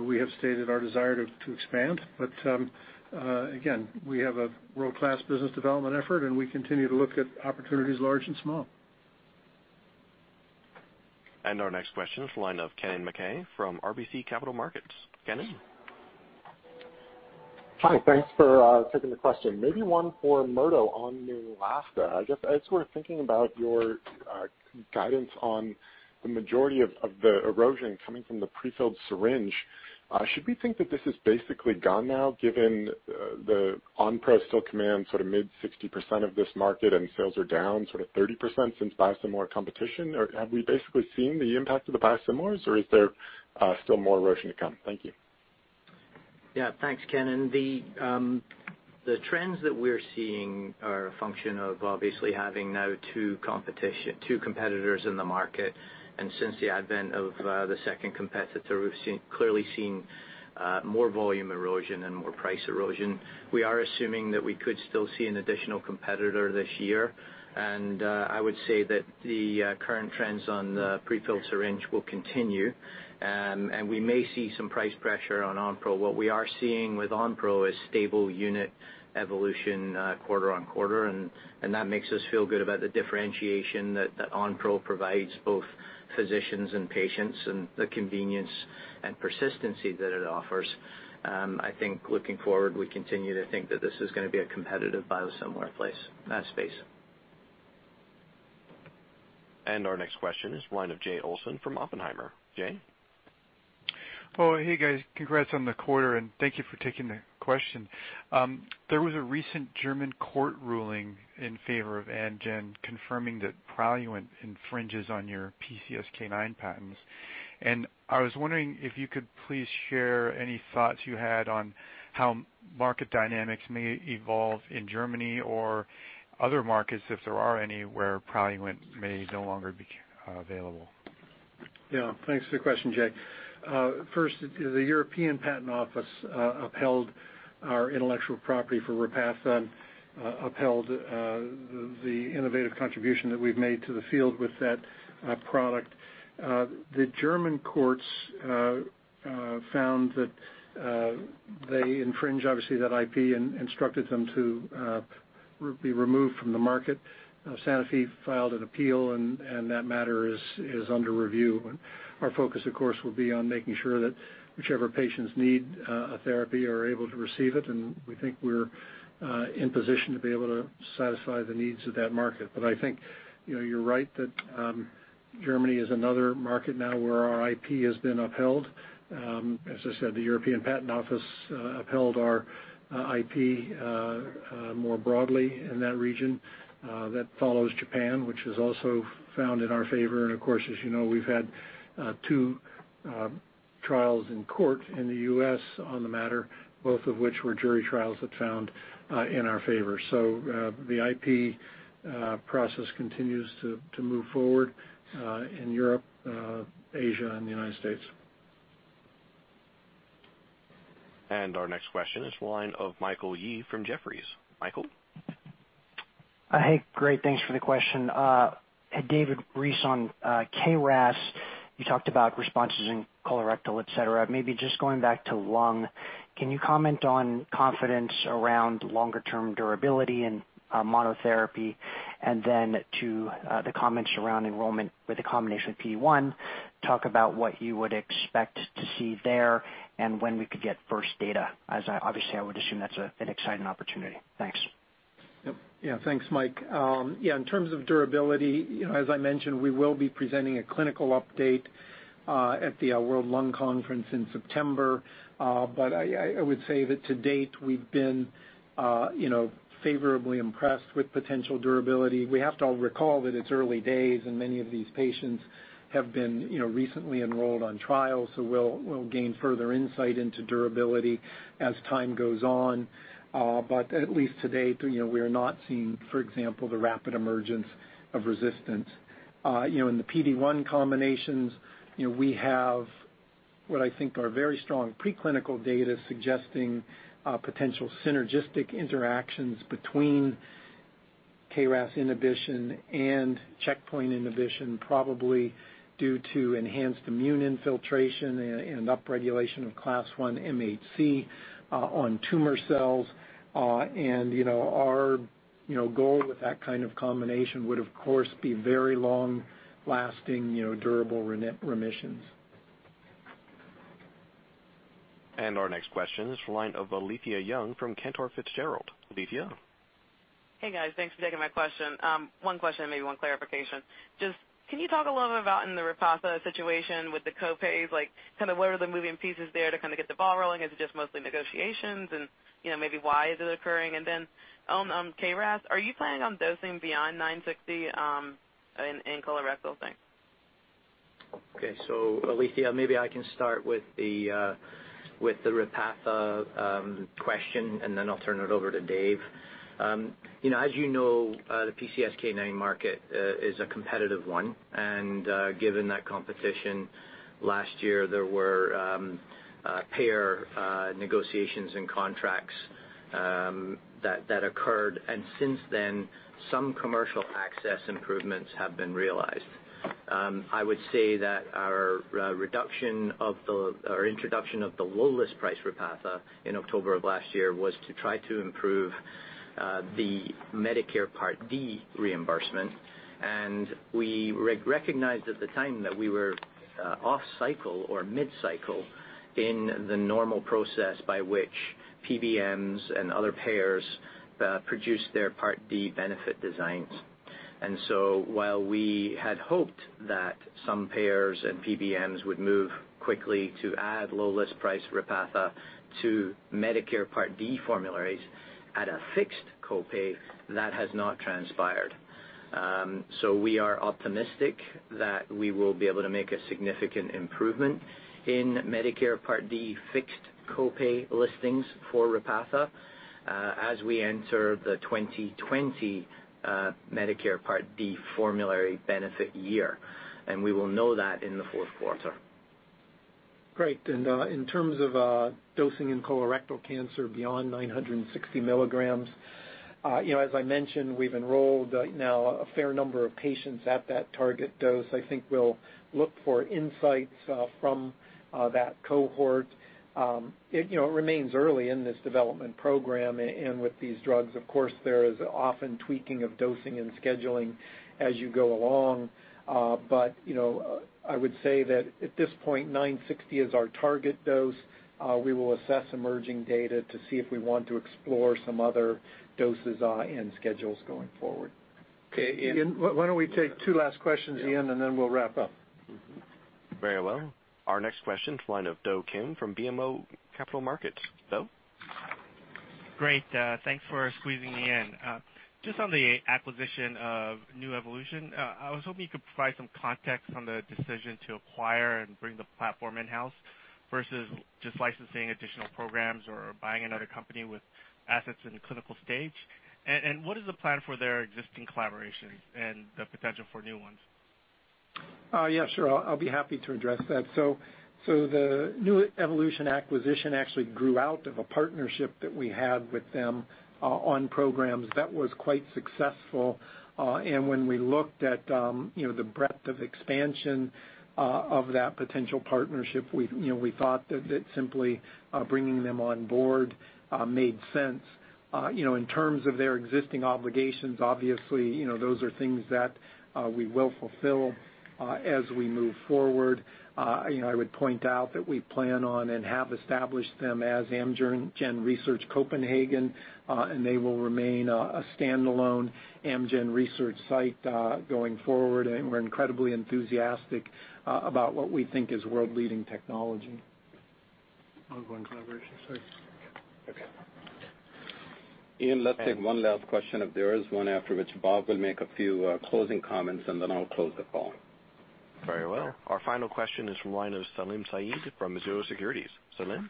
we have stated our desire to expand. Again, we have a world-class business development effort, and we continue to look at opportunities large and small. Our next question is the line of Kennen MacKay from RBC Capital Markets. Kennen? Hi. Thanks for taking the question. Maybe one for Murdo on Neulasta. I guess we're thinking about your guidance on the majority of the erosion coming from the prefilled syringe. Should we think that this is basically gone now, given the Onpro still commands mid 60% of this market and sales are down 30% since biosimilar competition, or have we basically seen the impact of the biosimilars, or is there still more erosion to come? Thank you. Yeah. Thanks, Kennen. The trends that we're seeing are a function of obviously having now two competitors in the market, and since the advent of the second competitor, we've clearly seen more volume erosion and more price erosion. We are assuming that we could still see an additional competitor this year, and I would say that the current trends on the prefilled syringe will continue, and we may see some price pressure on Onpro. What we are seeing with Onpro is stable unit evolution quarter-on-quarter, and that makes us feel good about the differentiation that Onpro provides both physicians and patients, and the convenience and persistency that it offers. I think looking forward, we continue to think that this is going to be a competitive biosimilar space. Our next question is the line of Jay Olson from Oppenheimer. Jay? Oh, hey, guys. Congrats on the quarter. Thank you for taking the question. There was a recent German court ruling in favor of Amgen confirming that Praluent infringes on your PCSK9 patents. I was wondering if you could please share any thoughts you had on how market dynamics may evolve in Germany or other markets, if there are any, where Praluent may no longer be available. Thanks for the question, Jay. First, the European Patent Office upheld our intellectual property for Repatha and upheld the innovative contribution that we've made to the field with that product. The German courts found that they infringe, obviously, that IP and instructed them to be removed from the market. Sanofi filed an appeal. That matter is under review. Our focus, of course, will be on making sure that whichever patients need a therapy are able to receive it, and we think we're in position to be able to satisfy the needs of that market. I think you're right that Germany is another market now where our IP has been upheld. As I said, the European Patent Office upheld our IP more broadly in that region. That follows Japan, which has also found in our favor. Of course, as you know, we've had two trials in court in the U.S. on the matter, both of which were jury trials that found in our favor. The IP process continues to move forward in Europe, Asia, and the United States. Our next question is the line of Michael Yee from Jefferies. Michael? Hey, great. Thanks for the question. David Reese, on KRAS, you talked about responses in colorectal, et cetera. Maybe just going back to lung, can you comment on confidence around longer-term durability in monotherapy? Then to the comments around enrollment with the combination of PD-1, talk about what you would expect to see there and when we could get first data, as obviously I would assume that's an exciting opportunity. Thanks. Thanks, Mike. In terms of durability, as I mentioned, we will be presenting a clinical update at the World Conference on Lung Cancer in September. I would say that to date, we've been favorably impressed with potential durability. We have to recall that it's early days, and many of these patients have been recently enrolled on trials, we'll gain further insight into durability as time goes on. At least to date, we are not seeing, for example, the rapid emergence of resistance. In the PD-1 combinations, we have what I think are very strong preclinical data suggesting potential synergistic interactions between KRAS inhibition and checkpoint inhibition, probably due to enhanced immune infiltration and upregulation of Class I MHC on tumor cells. Our goal with that kind of combination would, of course, be very long-lasting, durable remissions. Our next question is from the line of Alethia Young from Cantor Fitzgerald. Alethia? Hey, guys. Thanks for taking my question. One question and maybe one clarification. Can you talk a little bit about in the Repatha situation with the co-pays, what are the moving pieces there to get the ball rolling? Is it mostly negotiations, maybe why is it occurring? On KRAS, are you planning on dosing beyond 960 in colorectal cancer? Alethia, maybe I can start with the Repatha question, and then I'll turn it over to Dave. As you know, the PCSK9 market is a competitive one, and given that competition, last year there were payer negotiations and contracts that occurred, and since then, some commercial access improvements have been realized. I would say that our introduction of the low list price Repatha in October of last year was to try to improve the Medicare Part D reimbursement. We recognized at the time that we were off cycle or mid-cycle in the normal process by which PBMs and other payers produce their Part D benefit designs. While we had hoped that some payers and PBMs would move quickly to add low list price Repatha to Medicare Part D formularies at a fixed co-pay, that has not transpired. We are optimistic that we will be able to make a significant improvement in Medicare Part D fixed co-pay listings for Repatha as we enter the 2020 Medicare Part D formulary benefit year. We will know that in the fourth quarter. Great. In terms of dosing in colorectal cancer beyond 960 mg, as I mentioned, we've enrolled now a fair number of patients at that target dose. I think we'll look for insights from that cohort. It remains early in this development program, and with these drugs, of course, there is often tweaking of dosing and scheduling as you go along. I would say that at this point, 960 is our target dose. We will assess emerging data to see if we want to explore some other doses and schedules going forward. Okay, Ian. Why don't we take two last questions, Ian, and then we'll wrap up. Mm-hmm. Very well. Our next question is the line of Do Kim from BMO Capital Markets. Do? Great. Thanks for squeezing me in. Just on the acquisition of Nuevolution, I was hoping you could provide some context on the decision to acquire and bring the platform in-house versus just licensing additional programs or buying another company with assets in the clinical stage. What is the plan for their existing collaborations and the potential for new ones? Yeah, sure. I'll be happy to address that. The Nuevolution acquisition actually grew out of a partnership that we had with them on programs that was quite successful. When we looked at the breadth of expansion of that potential partnership, we thought that simply bringing them on board made sense. In terms of their existing obligations, obviously, those are things that we will fulfill as we move forward. I would point out that we plan on, and have established them as Amgen Research Copenhagen, and they will remain a standalone Amgen research site going forward. We're incredibly enthusiastic about what we think is world-leading technology. Ongoing collaboration site. Okay. Ian, let's take one last question if there is one, after which Bob will make a few closing comments, and then I'll close the call. Very well. Our final question is from Salim Syed from Mizuho Securities. Salim?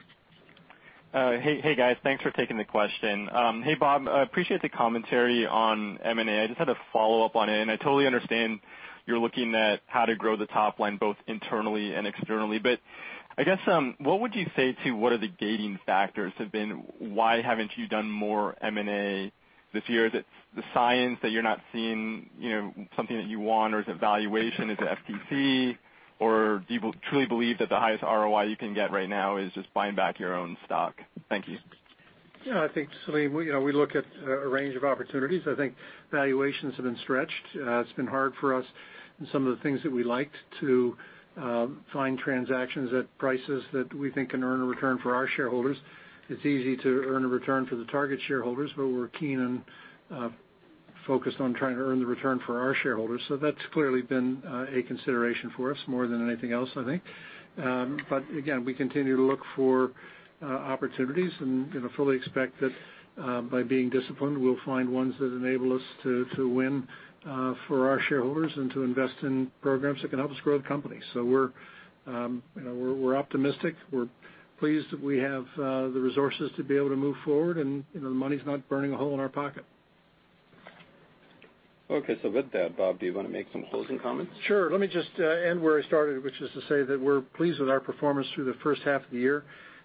Hey, guys. Thanks for taking the question. Hey, Bob, appreciate the commentary on M&A. I just had a follow-up on it. I totally understand you're looking at how to grow the top line both internally and externally. I guess, what would you say to what are the gating factors have been, why haven't you done more M&A this year? Is it the science that you're not seeing something that you want, or is it valuation? Is it FTC, or do you truly believe that the highest ROI you can get right now is just buying back your own stock? Thank you. I think, Salim, we look at a range of opportunities. I think valuations have been stretched. It's been hard for us in some of the things that we liked to find transactions at prices that we think can earn a return for our shareholders. It's easy to earn a return for the target shareholders, but we're keen and focused on trying to earn the return for our shareholders. That's clearly been a consideration for us more than anything else, I think. Again, we continue to look for opportunities and fully expect that by being disciplined, we'll find ones that enable us to win for our shareholders and to invest in programs that can help us grow the company. We're optimistic. We're pleased that we have the resources to be able to move forward, and the money's not burning a hole in our pocket. Okay, with that, Bob, do you want to make some closing comments? Sure. Let me just end where I started, which is to say that we're pleased with our performance through the first half of the year,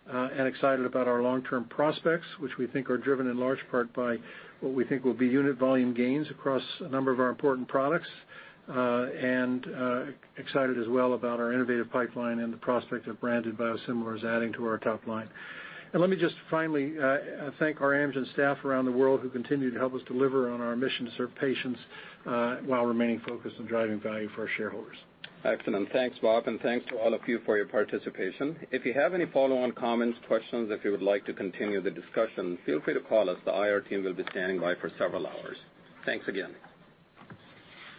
and excited about our long-term prospects, which we think are driven in large part by what we think will be unit volume gains across a number of our important products. Excited as well about our innovative pipeline and the prospect of branded biosimilars adding to our top line. Let me just finally thank our Amgen staff around the world who continue to help us deliver on our mission to serve patients while remaining focused on driving value for our shareholders. Excellent. Thanks, Bob, and thanks to all of you for your participation. If you have any follow-on comments, questions, if you would like to continue the discussion, feel free to call us. The IR team will be standing by for several hours. Thanks again.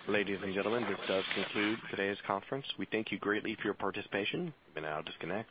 Ladies and gentlemen, this does conclude today's conference. We thank you greatly for your participation. You may now disconnect.